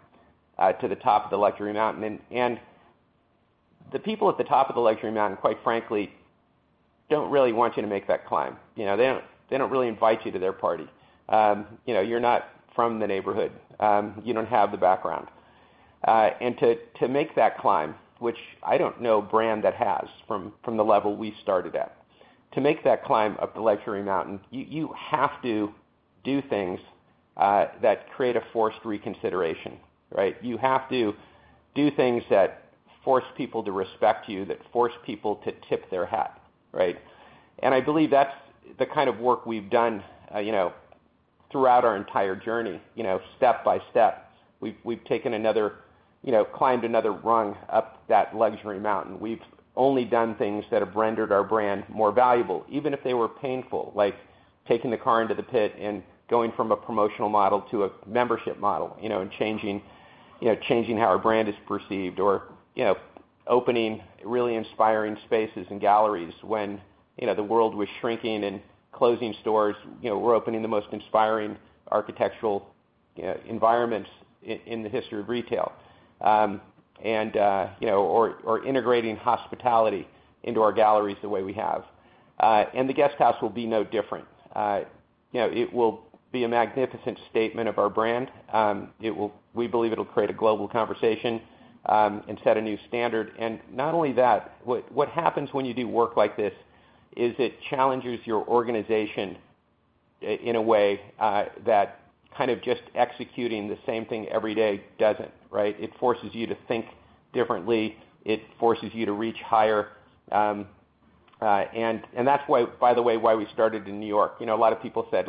to the top of the luxury mountain. The people at the top of the luxury mountain, quite frankly, don't really want you to make that climb. They don't really invite you to their party. You're not from the neighborhood. You don't have the background. To make that climb, which I don't know a brand that has, from the level we started at. To make that climb up the luxury mountain, you have to do things that create a forced reconsideration, right? You have to do things that force people to respect you, that force people to tip their hat, right? I believe that's the kind of work we've done throughout our entire journey, step by step. We've climbed another rung up that luxury mountain. We've only done things that have rendered our brand more valuable, even if they were painful, like taking the car into the pit and going from a promotional model to a membership model and changing how our brand is perceived or opening really inspiring spaces and galleries. When the world was shrinking and closing stores, we're opening the most inspiring architectural environments in the history of retail. Integrating hospitality into our galleries the way we have. The Guesthouse will be no different. It will be a magnificent statement of our brand. We believe it'll create a global conversation and set a new standard. Not only that, what happens when you do work like this is it challenges your organization in a way that kind of just executing the same thing every day doesn't, right? It forces you to think differently. It forces you to reach higher. That's why, by the way, we started in New York. A lot of people said,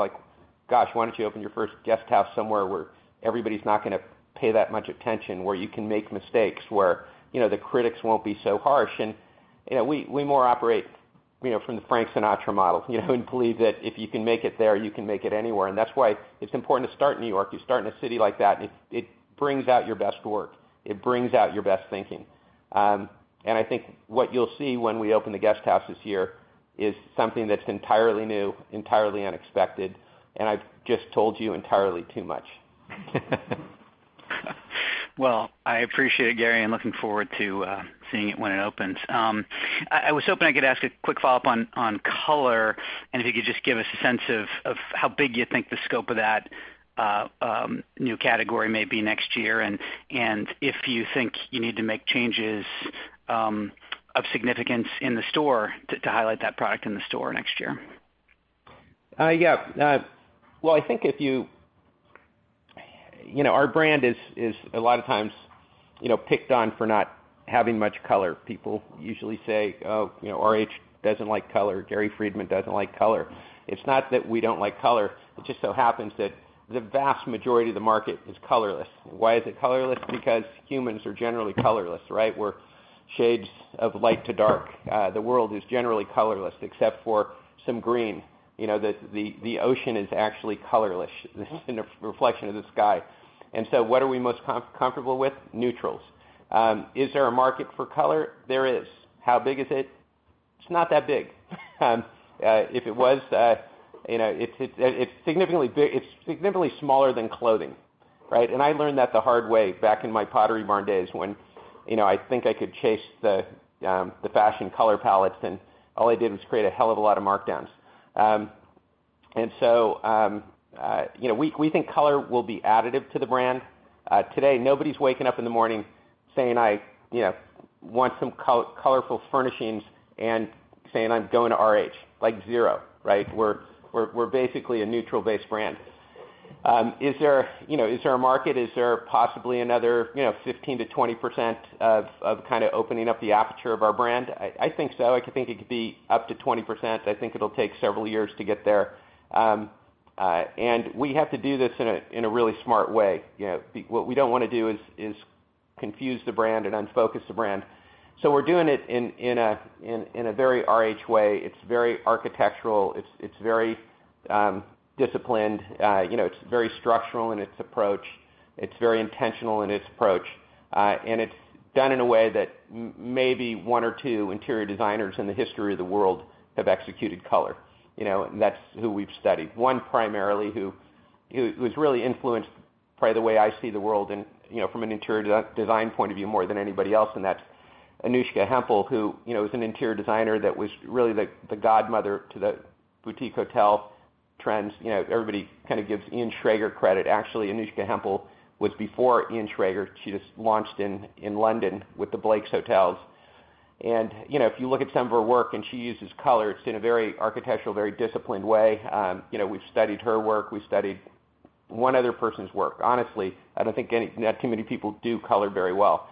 "Gosh, why don't you open your first guest house somewhere where everybody's not going to pay that much attention, where you can make mistakes, where the critics won't be so harsh?" We more operate from the Frank Sinatra model and believe that if you can make it there, you can make it anywhere. That's why it's important to start in New York. You start in a city like that, and it brings out your best work. It brings out your best thinking. I think what you'll see when we open the guest house this year is something that's entirely new, entirely unexpected, and I've just told you entirely too much. Well, I appreciate it, Gary. I'm looking forward to seeing it when it opens. I was hoping I could ask a quick follow-up on Color, and if you could just give us a sense of how big you think the scope of that new category may be next year, and if you think you need to make changes of significance in the store to highlight that product in the store next year. Our brand is a lot of times picked on for not having much color. People usually say, "RH doesn't like color. Gary Friedman doesn't like color." It's not that we don't like color. It just so happens that the vast majority of the market is colorless. Why is it colorless? Humans are generally colorless, right? We're shades of light to dark. The world is generally colorless except for some green. The ocean is actually colorless. This is in a reflection of the sky. What are we most comfortable with? Neutrals. Is there a market for color? There is. How big is it? It's not that big. It's significantly smaller than clothing. Right? I learned that the hard way back in my Pottery Barn days when I think I could chase the fashion color palettes, and all I did was create a hell of a lot of markdowns. We think color will be additive to the brand. Today, nobody's waking up in the morning saying, "I want some colorful furnishings" and saying, "I'm going to RH." Like zero, right? We're basically a neutral-based brand. Is there a market? Is there possibly another 15%-20% of kind of opening up the aperture of our brand? I think so. I think it could be up to 20%. I think it'll take several years to get there. We have to do this in a really smart way. What we don't want to do is confuse the brand and unfocus the brand. We're doing it in a very RH way. It's very architectural. It's very disciplined. It's very structural in its approach. It's very intentional in its approach. It's done in a way that maybe one or two interior designers in the history of the world have executed color. That's who we've studied. One primarily, who's really influenced probably the way I see the world and from an interior design point of view more than anybody else, and that's Anouska Hempel, who is an interior designer that was really the godmother to the boutique hotel trends. Everybody kind of gives Ian Schrager credit. Actually, Anouska Hempel was before Ian Schrager. She just launched in London with the Blakes Hotel. If you look at some of her work, and she uses color, it's in a very architectural, very disciplined way. We've studied her work. We've studied one other person's work. Honestly, I don't think not too many people do color very well.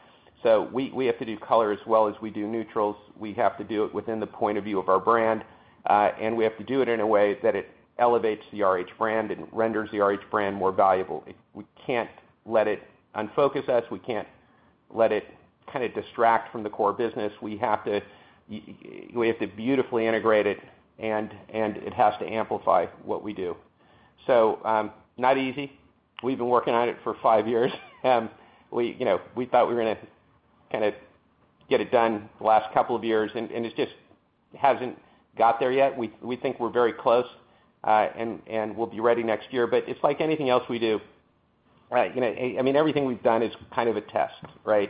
We have to do color as well as we do neutrals. We have to do it within the point of view of our brand, and we have to do it in a way that it elevates the RH brand and renders the RH brand more valuable. We can't let it unfocus us. We can't let it kind of distract from the core business. We have to beautifully integrate it, and it has to amplify what we do. Not easy. We've been working on it for five years. We thought we were going to get it done the last couple of years, and it just hasn't got there yet. We think we're very close, and we'll be ready next year. It's like anything else we do, right? Everything we've done is kind of a test, right?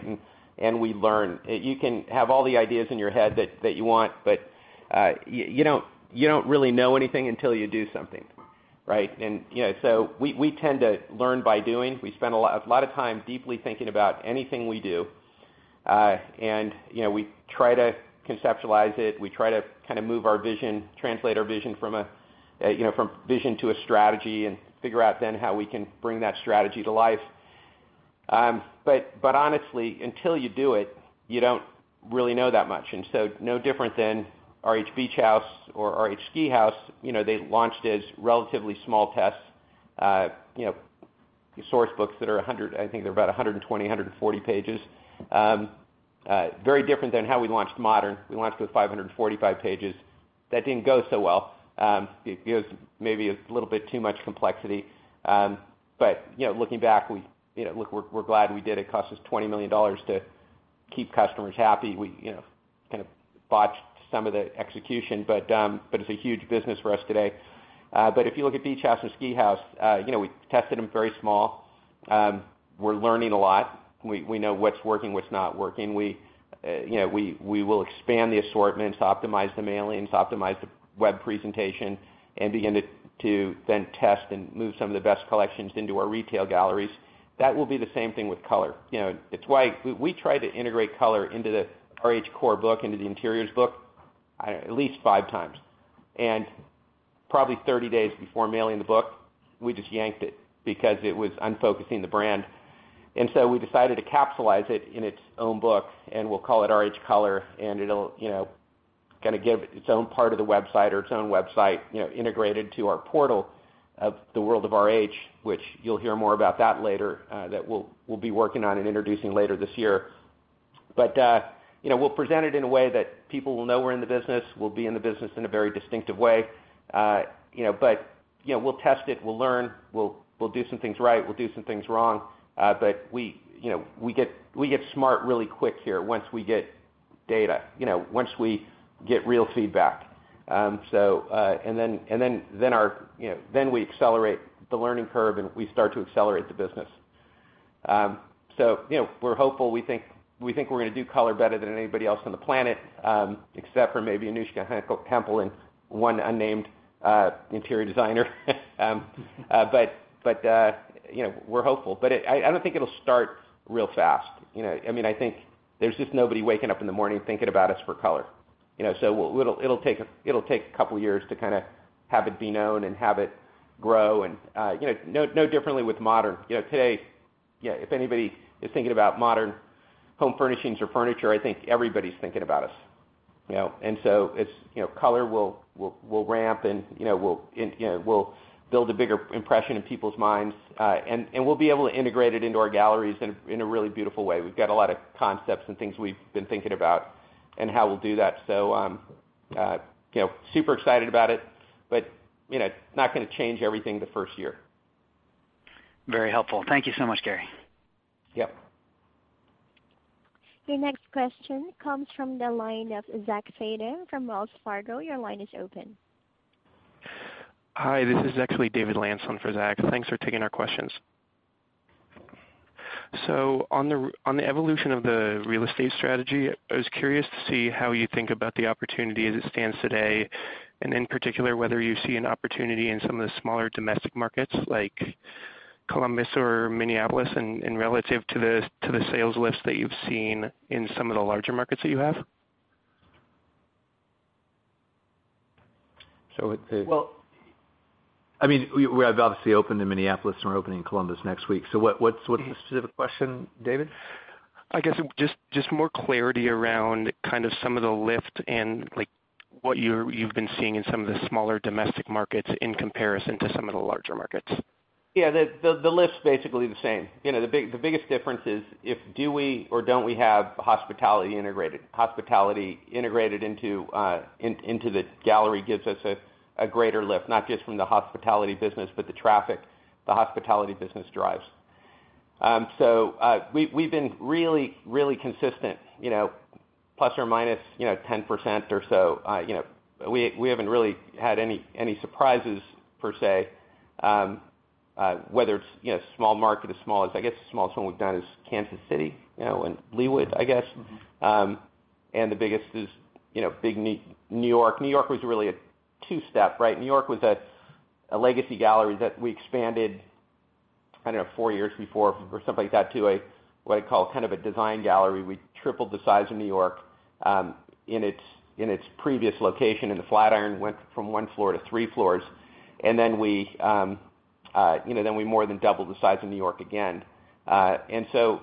We learn. You can have all the ideas in your head that you want, but you don't really know anything until you do something, right? We tend to learn by doing. We spend a lot of time deeply thinking about anything we do. We try to conceptualize it. We try to move our vision, translate our vision from vision to a strategy and figure out then how we can bring that strategy to life. Honestly, until you do it, you don't really know that much. No different than RH Beach House or RH Ski House, they launched as relatively small tests, source books that are, I think they're about 120, 140 pages. Very different than how we launched Modern. We launched with 545 pages. That didn't go so well. It was maybe a little bit too much complexity. Looking back, we're glad we did. It cost us $20 million to keep customers happy. We kind of botched some of the execution, but it's a huge business for us today. If you look at Beach House and Ski House, we tested them very small. We're learning a lot. We know what's working, what's not working. We will expand the assortments, optimize the mailings, optimize the web presentation, and begin to then test and move some of the best collections into our retail galleries. That will be the same thing with color. We tried to integrate color into the RH core book, into the interiors book, at least five times. Probably 30 days before mailing the book, we just yanked it because it was unfocusing the brand. We decided to capsulize it in its own book, and we'll call it RH Color, and it'll give its own part of the website or its own website integrated to our portal of the world of RH, which you'll hear more about that later, that we'll be working on and introducing later this year. We'll present it in a way that people will know we're in the business. We'll be in the business in a very distinctive way. We'll test it. We'll learn. We'll do some things right. We'll do some things wrong. We get smart really quick here once we get data, once we get real feedback. We accelerate the learning curve, and we start to accelerate the business. We're hopeful. We think we're going to do color better than anybody else on the planet, except for maybe Anouska Hempel and one unnamed interior designer. We're hopeful. I don't think it'll start real fast. I think there's just nobody waking up in the morning thinking about us for color. It'll take a couple of years to have it be known and have it grow and no differently with modern. Today, if anybody is thinking about modern home furnishings or furniture, I think everybody's thinking about us. Color will ramp, and will build a bigger impression in people's minds. We'll be able to integrate it into our galleries in a really beautiful way. We've got a lot of concepts and things we've been thinking about and how we'll do that. Super excited about it, but it's not going to change everything the first year. Very helpful. Thank you so much, Gary. Yep. Your next question comes from the line of Zach Fadem from Wells Fargo. Your line is open. Hi, this is actually David Larson for Zach. Thanks for taking our questions. On the evolution of the real estate strategy, I was curious to see how you think about the opportunity as it stands today, and in particular, whether you see an opportunity in some of the smaller domestic markets like Columbus or Minneapolis and relative to the sales lifts that you've seen in some of the larger markets that you have. Well, we have obviously opened in Minneapolis, and we're opening in Columbus next week. What's the specific question, David? I guess just more clarity around some of the lift and what you've been seeing in some of the smaller domestic markets in comparison to some of the larger markets. The lift's basically the same. The biggest difference is if do we or don't we have hospitality integrated. Hospitality integrated into the gallery gives us a greater lift, not just from the hospitality business, but the traffic the hospitality business drives. We've been really consistent. ±10% or so. We haven't really had any surprises, per se, whether it's small market, as small as I guess the smallest one we've done is Kansas City, in Leawood, I guess. The biggest is big New York. New York was really a two-step. New York was a legacy gallery that we expanded, I don't know, four years before or something like that, to what I call a design gallery. We tripled the size of New York in its previous location in the Flatiron, went from one floor to three floors. Then we more than doubled the size of New York again. So,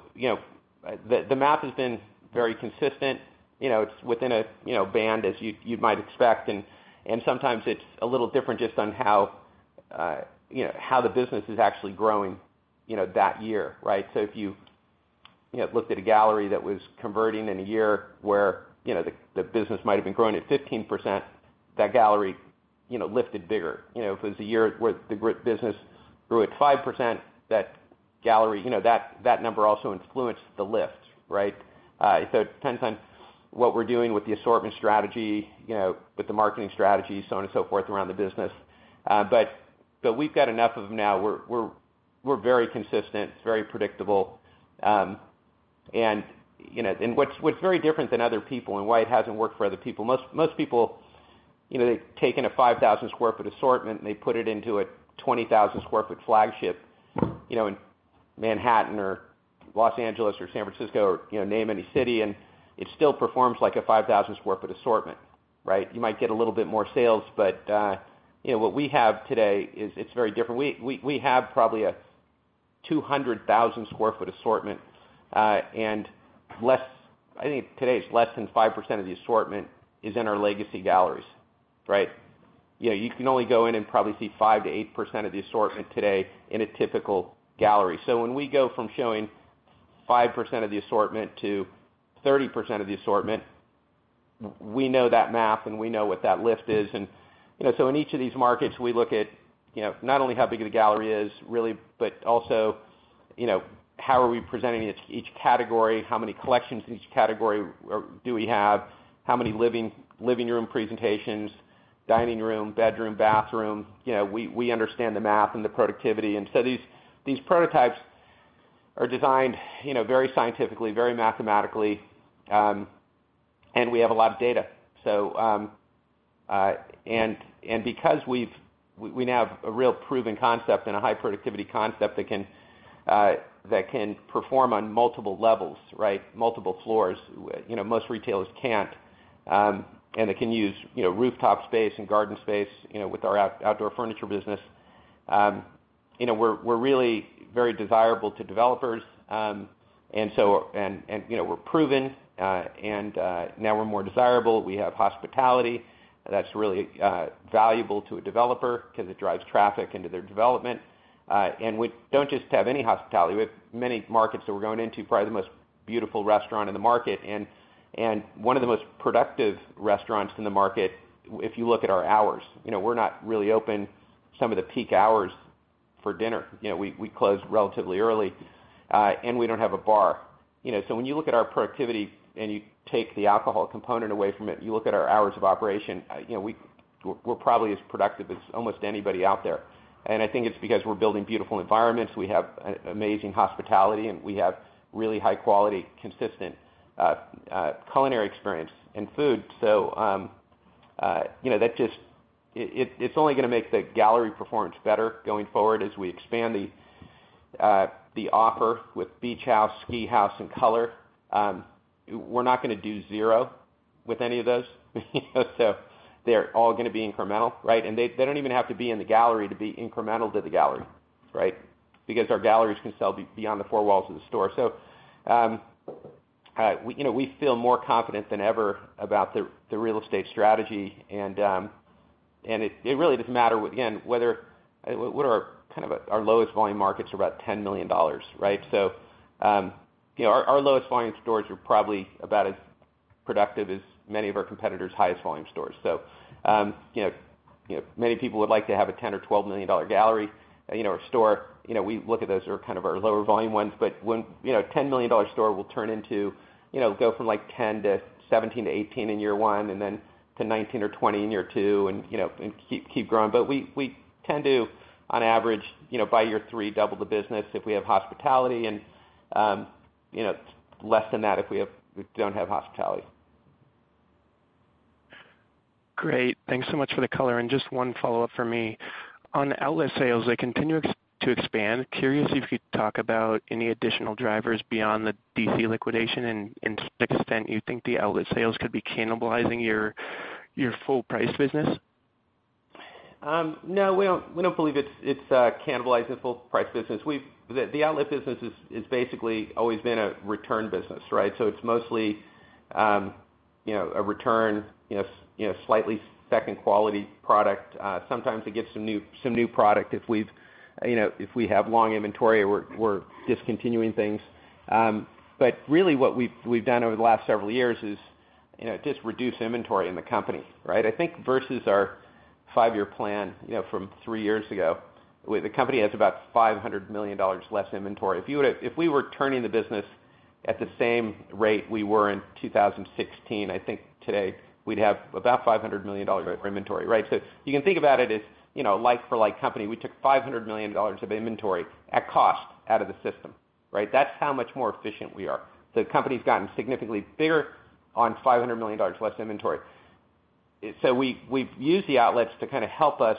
the math has been very consistent. It's within a band as you'd might expect, and sometimes it's a little different just on how the business is actually growing that year. If you looked at a gallery that was converting in a year where the business might have been growing at 15%, that gallery lifted bigger. If it was a year where the business grew at 5%, that number also influenced the lift. It depends on what we're doing with the assortment strategy, with the marketing strategy, so on and so forth around the business. We've got enough of them now. We're very consistent. It's very predictable. What's very different than other people and why it hasn't worked for other people, most people, they've taken a 5,000 sq ft assortment and they put it into a 20,000 sq ft flagship in Manhattan or Los Angeles or San Francisco or name any city, and it still performs like a 5,000 sq ft assortment. You might get a little bit more sales, but what we have today is very different. We have probably a 200,000 sq ft assortment. I think today it's less than 5% of the assortment is in our legacy galleries. You can only go in and probably see 5%-8% of the assortment today in a typical gallery. When we go from showing 5% of the assortment to 30% of the assortment, we know that math and we know what that lift is. In each of these markets, we look at not only how big the gallery is, really, but also how are we presenting each category, how many collections in each category do we have, how many living room presentations, dining room, bedroom, bathroom. We understand the math and the productivity. These prototypes are designed very scientifically, very mathematically, and we have a lot of data. Because we now have a real proven concept and a high productivity concept that can perform on multiple levels, multiple floors, most retailers can't, and that can use rooftop space and garden space with our outdoor furniture business. We're really very desirable to developers. We're proven, and now we're more desirable. We have hospitality that's really valuable to a developer because it drives traffic into their development. We don't just have any hospitality. We have many markets that we're going into, probably the most beautiful restaurant in the market and one of the most productive restaurants in the market, if you look at our hours. We're not really open some of the peak hours for dinner. We close relatively early. We don't have a bar. When you look at our productivity and you take the alcohol component away from it, and you look at our hours of operation, we're probably as productive as almost anybody out there. I think it's because we're building beautiful environments, we have amazing hospitality, and we have really high quality, consistent culinary experience and food. It's only going to make the gallery performance better going forward as we expand the offer with Beach House, Ski House, and Color. We're not going to do zero with any of those. They're all going to be incremental. They don't even have to be in the gallery to be incremental to the gallery. Because our galleries can sell beyond the four walls of the store. We feel more confident than ever about the real estate strategy, and it really doesn't matter, again, whether our lowest volume markets are about $10 million. Our lowest volume stores are probably about as productive as many of our competitors' highest volume stores. Many people would like to have a $10 million or $12 million gallery or store. We look at those are kind of our lower volume ones, but a $10 million store will go from like $10 million-$17 million to $18 million in year one, and then to $19 million or $20 million in year two and keep growing. We tend to, on average, by year three, double the business if we have hospitality and less than that if we don't have hospitality. Great. Thanks so much for the color. Just one follow-up for me. On outlet sales, they continue to expand. Curious if you could talk about any additional drivers beyond the DC liquidation and to extent you think the outlet sales could be cannibalizing your full price business? No, we don't believe it's cannibalizing full price business. The outlet business has basically always been a return business. It's mostly a return, slightly second-quality product. Sometimes it gets some new product if we have long inventory or we're discontinuing things. Really what we've done over the last several years is just reduce inventory in the company. I think versus our five-year plan from three years ago, the company has about $500 million less inventory. If we were turning the business at the same rate we were in 2016, I think today we'd have about $500 million of inventory. You can think about it as like for like company, we took $500 million of inventory at cost out of the system. That's how much more efficient we are. The company's gotten significantly bigger on $500 million less inventory. We've used the outlets to help us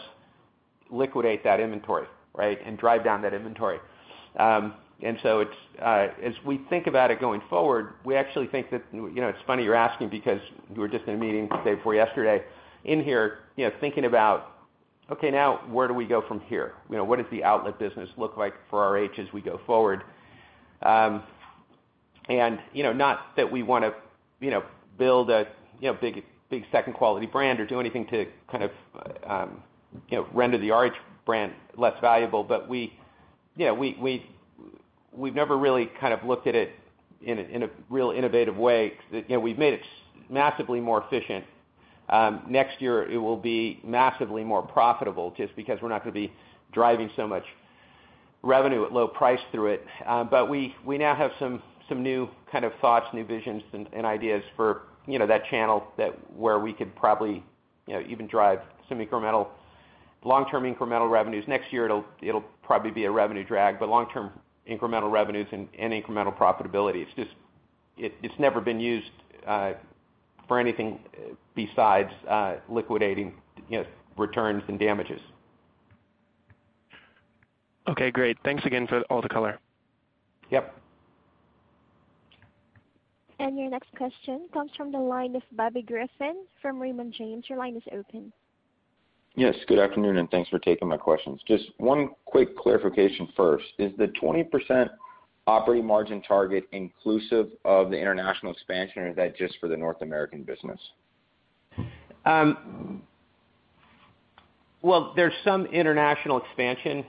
liquidate that inventory and drive down that inventory. As we think about it going forward, we actually think it's funny you're asking because we were just in a meeting the day before yesterday in here, thinking about, okay, now where do we go from here? What does the outlet business look like for RH as we go forward? Not that we want to build a big second-quality brand or do anything to render the RH brand less valuable. We've never really looked at it in a real innovative way. We've made it massively more efficient. Next year, it will be massively more profitable just because we're not going to be driving so much revenue at low price through it. We now have some new thoughts, new visions, and ideas for that channel where we could probably even drive some long-term incremental revenues. Next year, it'll probably be a revenue drag, but long-term incremental revenues and incremental profitability. It's just, it's never been used for anything besides liquidating returns and damages. Okay, great. Thanks again for all the color. Yep. Your next question comes from the line of Bobby Griffin from Raymond James. Your line is open. Yes. Good afternoon. Thanks for taking my questions. Just one quick clarification first. Is the 20% operating margin target inclusive of the international expansion, or is that just for the North American business? Well, there's some international expansion.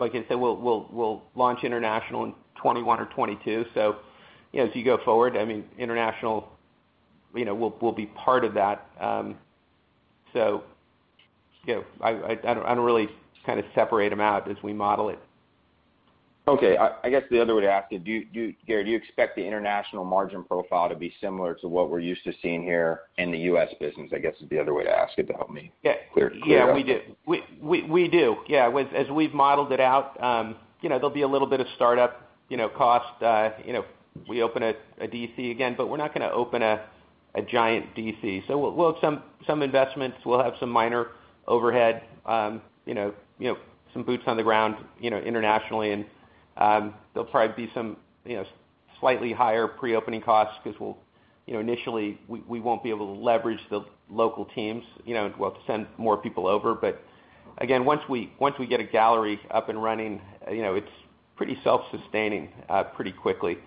Like I said, we'll launch international in 2021 or 2022. As you go forward, international will be part of that. I don't really separate them out as we model it. Okay. I guess the other way to ask it, Gary, do you expect the international margin profile to be similar to what we're used to seeing here in the U.S. business, I guess is the other way to ask it- Yeah. Clear it up. Yeah, we do. As we've modeled it out, there'll be a little bit of startup cost. We open a D.C. again, but we're not going to open a giant D.C. We'll have some investments, we'll have some minor overhead, some boots on the ground internationally, and there'll probably be some slightly higher pre-opening costs because initially, we won't be able to leverage the local teams. We'll have to send more people over. Again, once we get a gallery up and running, it's pretty self-sustaining pretty quickly.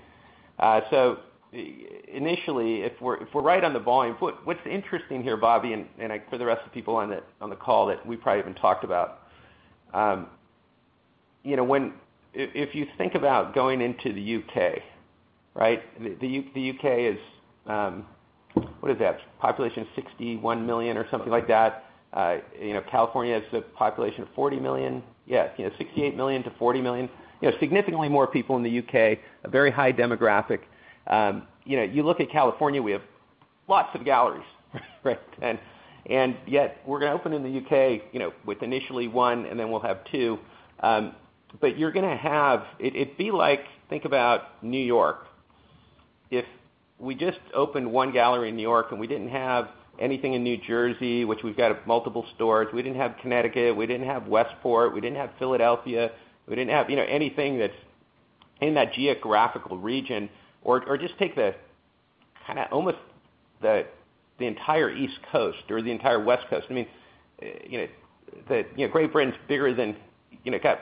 Initially, if we're right on the volume, what's interesting here, Bobby, and for the rest of the people on the call that we probably even talked about, if you think about going into the U.K. The U.K. is, what is that? Population 61 million or something like that. California has a population of 40 million. Yeah, 68 million-40 million. Significantly more people in the U.K., a very high demographic. You look at California, we have lots of galleries. Yet we're going to open in the U.K., with initially one, then we'll have two. It'd be like, think about New York If we just opened one gallery in New York and we didn't have anything in New Jersey, which we've got multiple stores, we didn't have Connecticut, we didn't have Westport, we didn't have Philadelphia, we didn't have anything that's in that geographical region. Just take almost the entire East Coast or the entire West Coast. Great Britain's bigger than, got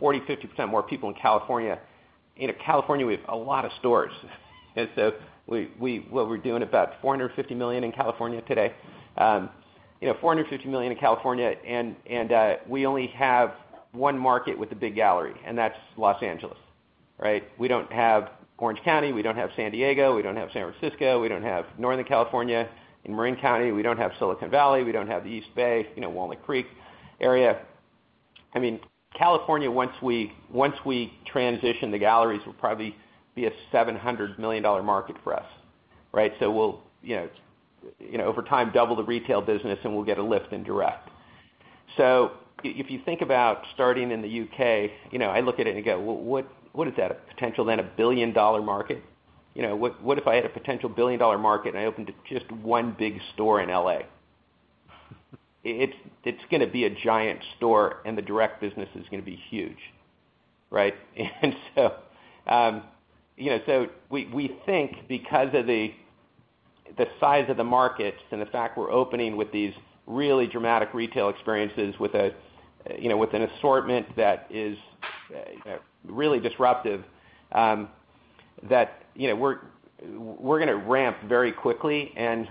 40%-50% more people than California. In California, we have a lot of stores. What we're doing about $450 million in California today. $450 million in California, and we only have one market with a big gallery, and that's Los Angeles. We don't have Orange County. We don't have San Diego. We don't have San Francisco. We don't have Northern California and Marin County. We don't have Silicon Valley. We don't have the East Bay, Walnut Creek area. California, once we transition the galleries, will probably be a $700 million market for us. We'll, over time, double the retail business and we'll get a lift in direct. If you think about starting in the U.K., I look at it and go, what is that, a potential then a $1 billion market? What if I had a potential $1 billion market and I opened just one big store in L.A.? It's going to be a giant store, and the direct business is going to be huge. We think because of the size of the markets and the fact we're opening with these really dramatic retail experiences with an assortment that is really disruptive, that we're going to ramp very quickly and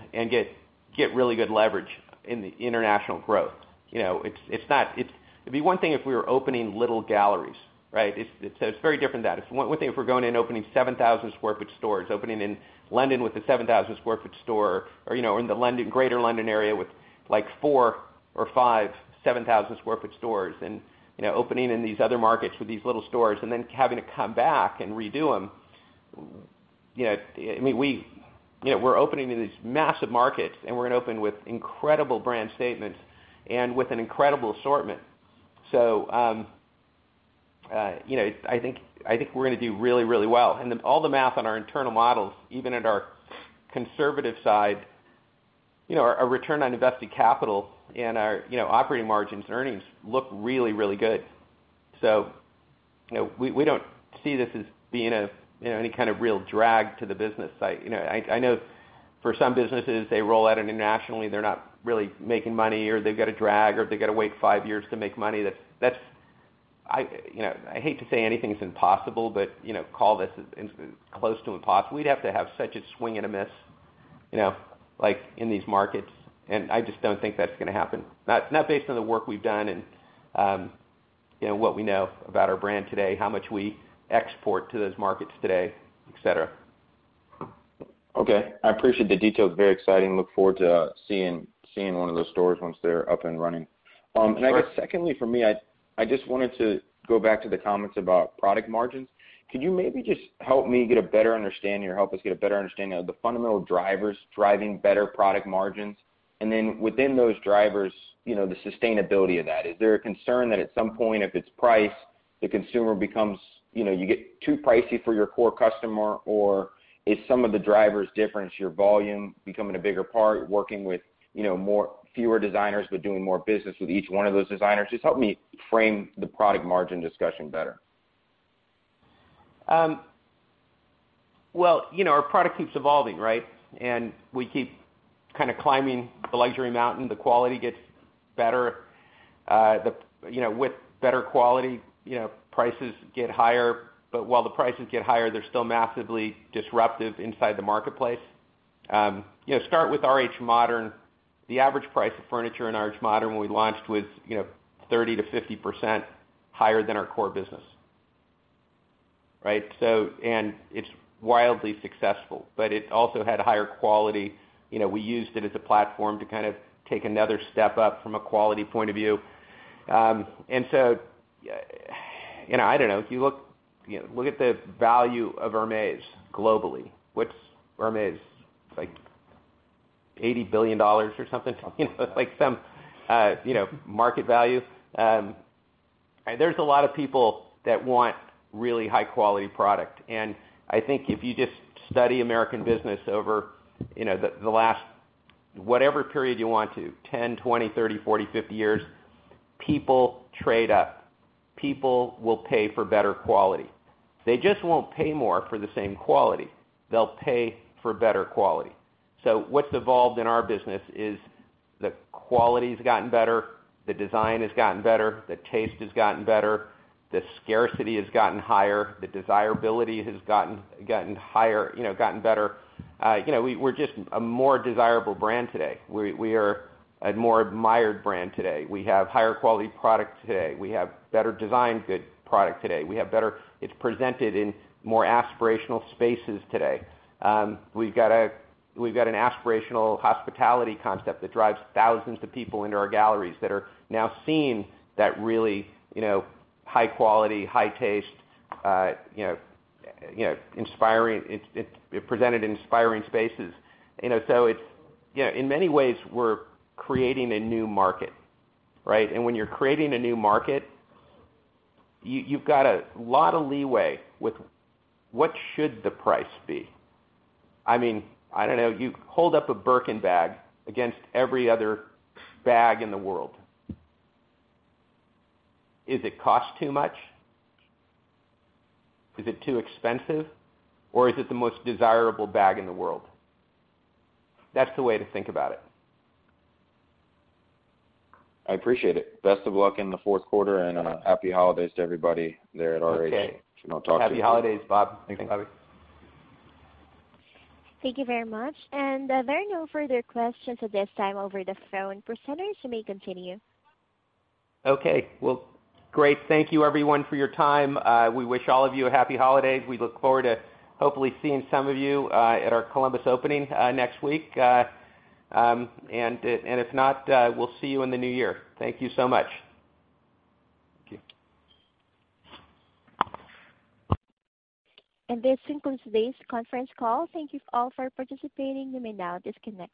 get really good leverage in the international growth. It'd be one thing if we were opening little galleries, right? It's very different to that. It's one thing if we're going in opening 7,000 sq ft stores, opening in London with a 7,000 sq ft store, or in the Greater London area with four or five 7,000 sq ft stores and opening in these other markets with these little stores and then having to come back and redo them. We're opening in these massive markets, and we're going to open with incredible brand statements and with an incredible assortment. I think we're going to do really well. All the math on our internal models, even at our conservative side, our return on invested capital and our operating margins earnings look really good. We don't see this as being any kind of real drag to the business. I know for some businesses, they roll out internationally, they're not really making money, or they've got a drag, or they've got to wait five years to make money. I hate to say anything's impossible, but call this as close to impossible. We'd have to have such a swing and a miss in these markets, and I just don't think that's going to happen. Not based on the work we've done and what we know about our brand today, how much we export to those markets today, et cetera. Okay. I appreciate the details. Very exciting. Look forward to seeing one of those stores once they're up and running. Sure. I guess secondly for me, I just wanted to go back to the comments about product margins. Could you maybe just help me get a better understanding, or help us get a better understanding of the fundamental drivers driving better product margins, within those drivers, the sustainability of that? Is there a concern that at some point, if it's price, you get too pricey for your core customer, or is some of the drivers difference your volume becoming a bigger part, working with fewer designers but doing more business with each one of those designers? Just help me frame the product margin discussion better. Well, our product keeps evolving, right? We keep kind of climbing the luxury mountain. The quality gets better. With better quality, prices get higher. While the prices get higher, they're still massively disruptive inside the marketplace. Start with RH Modern. The average price of furniture in RH Modern when we launched was 30%-50% higher than our core business. Right? It's wildly successful. It also had higher quality. We used it as a platform to kind of take another step up from a quality point of view. I don't know, if you look at the value of Hermès globally. What's Hermès? It's like $80 billion or something, like some market value. There's a lot of people that want really high-quality product. I think if you just study American business over the last, whatever period you want to, 10, 20, 30, 40, 50 years, people trade up. People will pay for better quality. They just won't pay more for the same quality. They'll pay for better quality. What's evolved in our business is the quality's gotten better, the design has gotten better, the taste has gotten better, the scarcity has gotten higher, the desirability has gotten better. We're just a more desirable brand today. We are a more admired brand today. We have higher quality product today. We have better designed good product today. It's presented in more aspirational spaces today. We've got an aspirational hospitality concept that drives thousands of people into our galleries that are now seeing that really high quality, high taste, it's presented in inspiring spaces. In many ways, we're creating a new market, right? When you're creating a new market, you've got a lot of leeway with what should the price be. I don't know. You hold up a Birkin bag against every other bag in the world. Is it cost too much? Is it too expensive? Is it the most desirable bag in the world? That's the way to think about it. I appreciate it. Best of luck in the fourth quarter, and happy holidays to everybody there at RH. Okay. I'll talk to you-. Happy holidays, Bob. Thanks. Thanks, Bobby. Thank you very much. There are no further questions at this time over the phone. Presenters, you may continue. Okay. Well, great. Thank you everyone for your time. We wish all of you a happy holiday. We look forward to hopefully seeing some of you at our Columbus opening next week. If not, we'll see you in the new year. Thank you so much. Thank you. This concludes today's conference call. Thank you all for participating. You may now disconnect.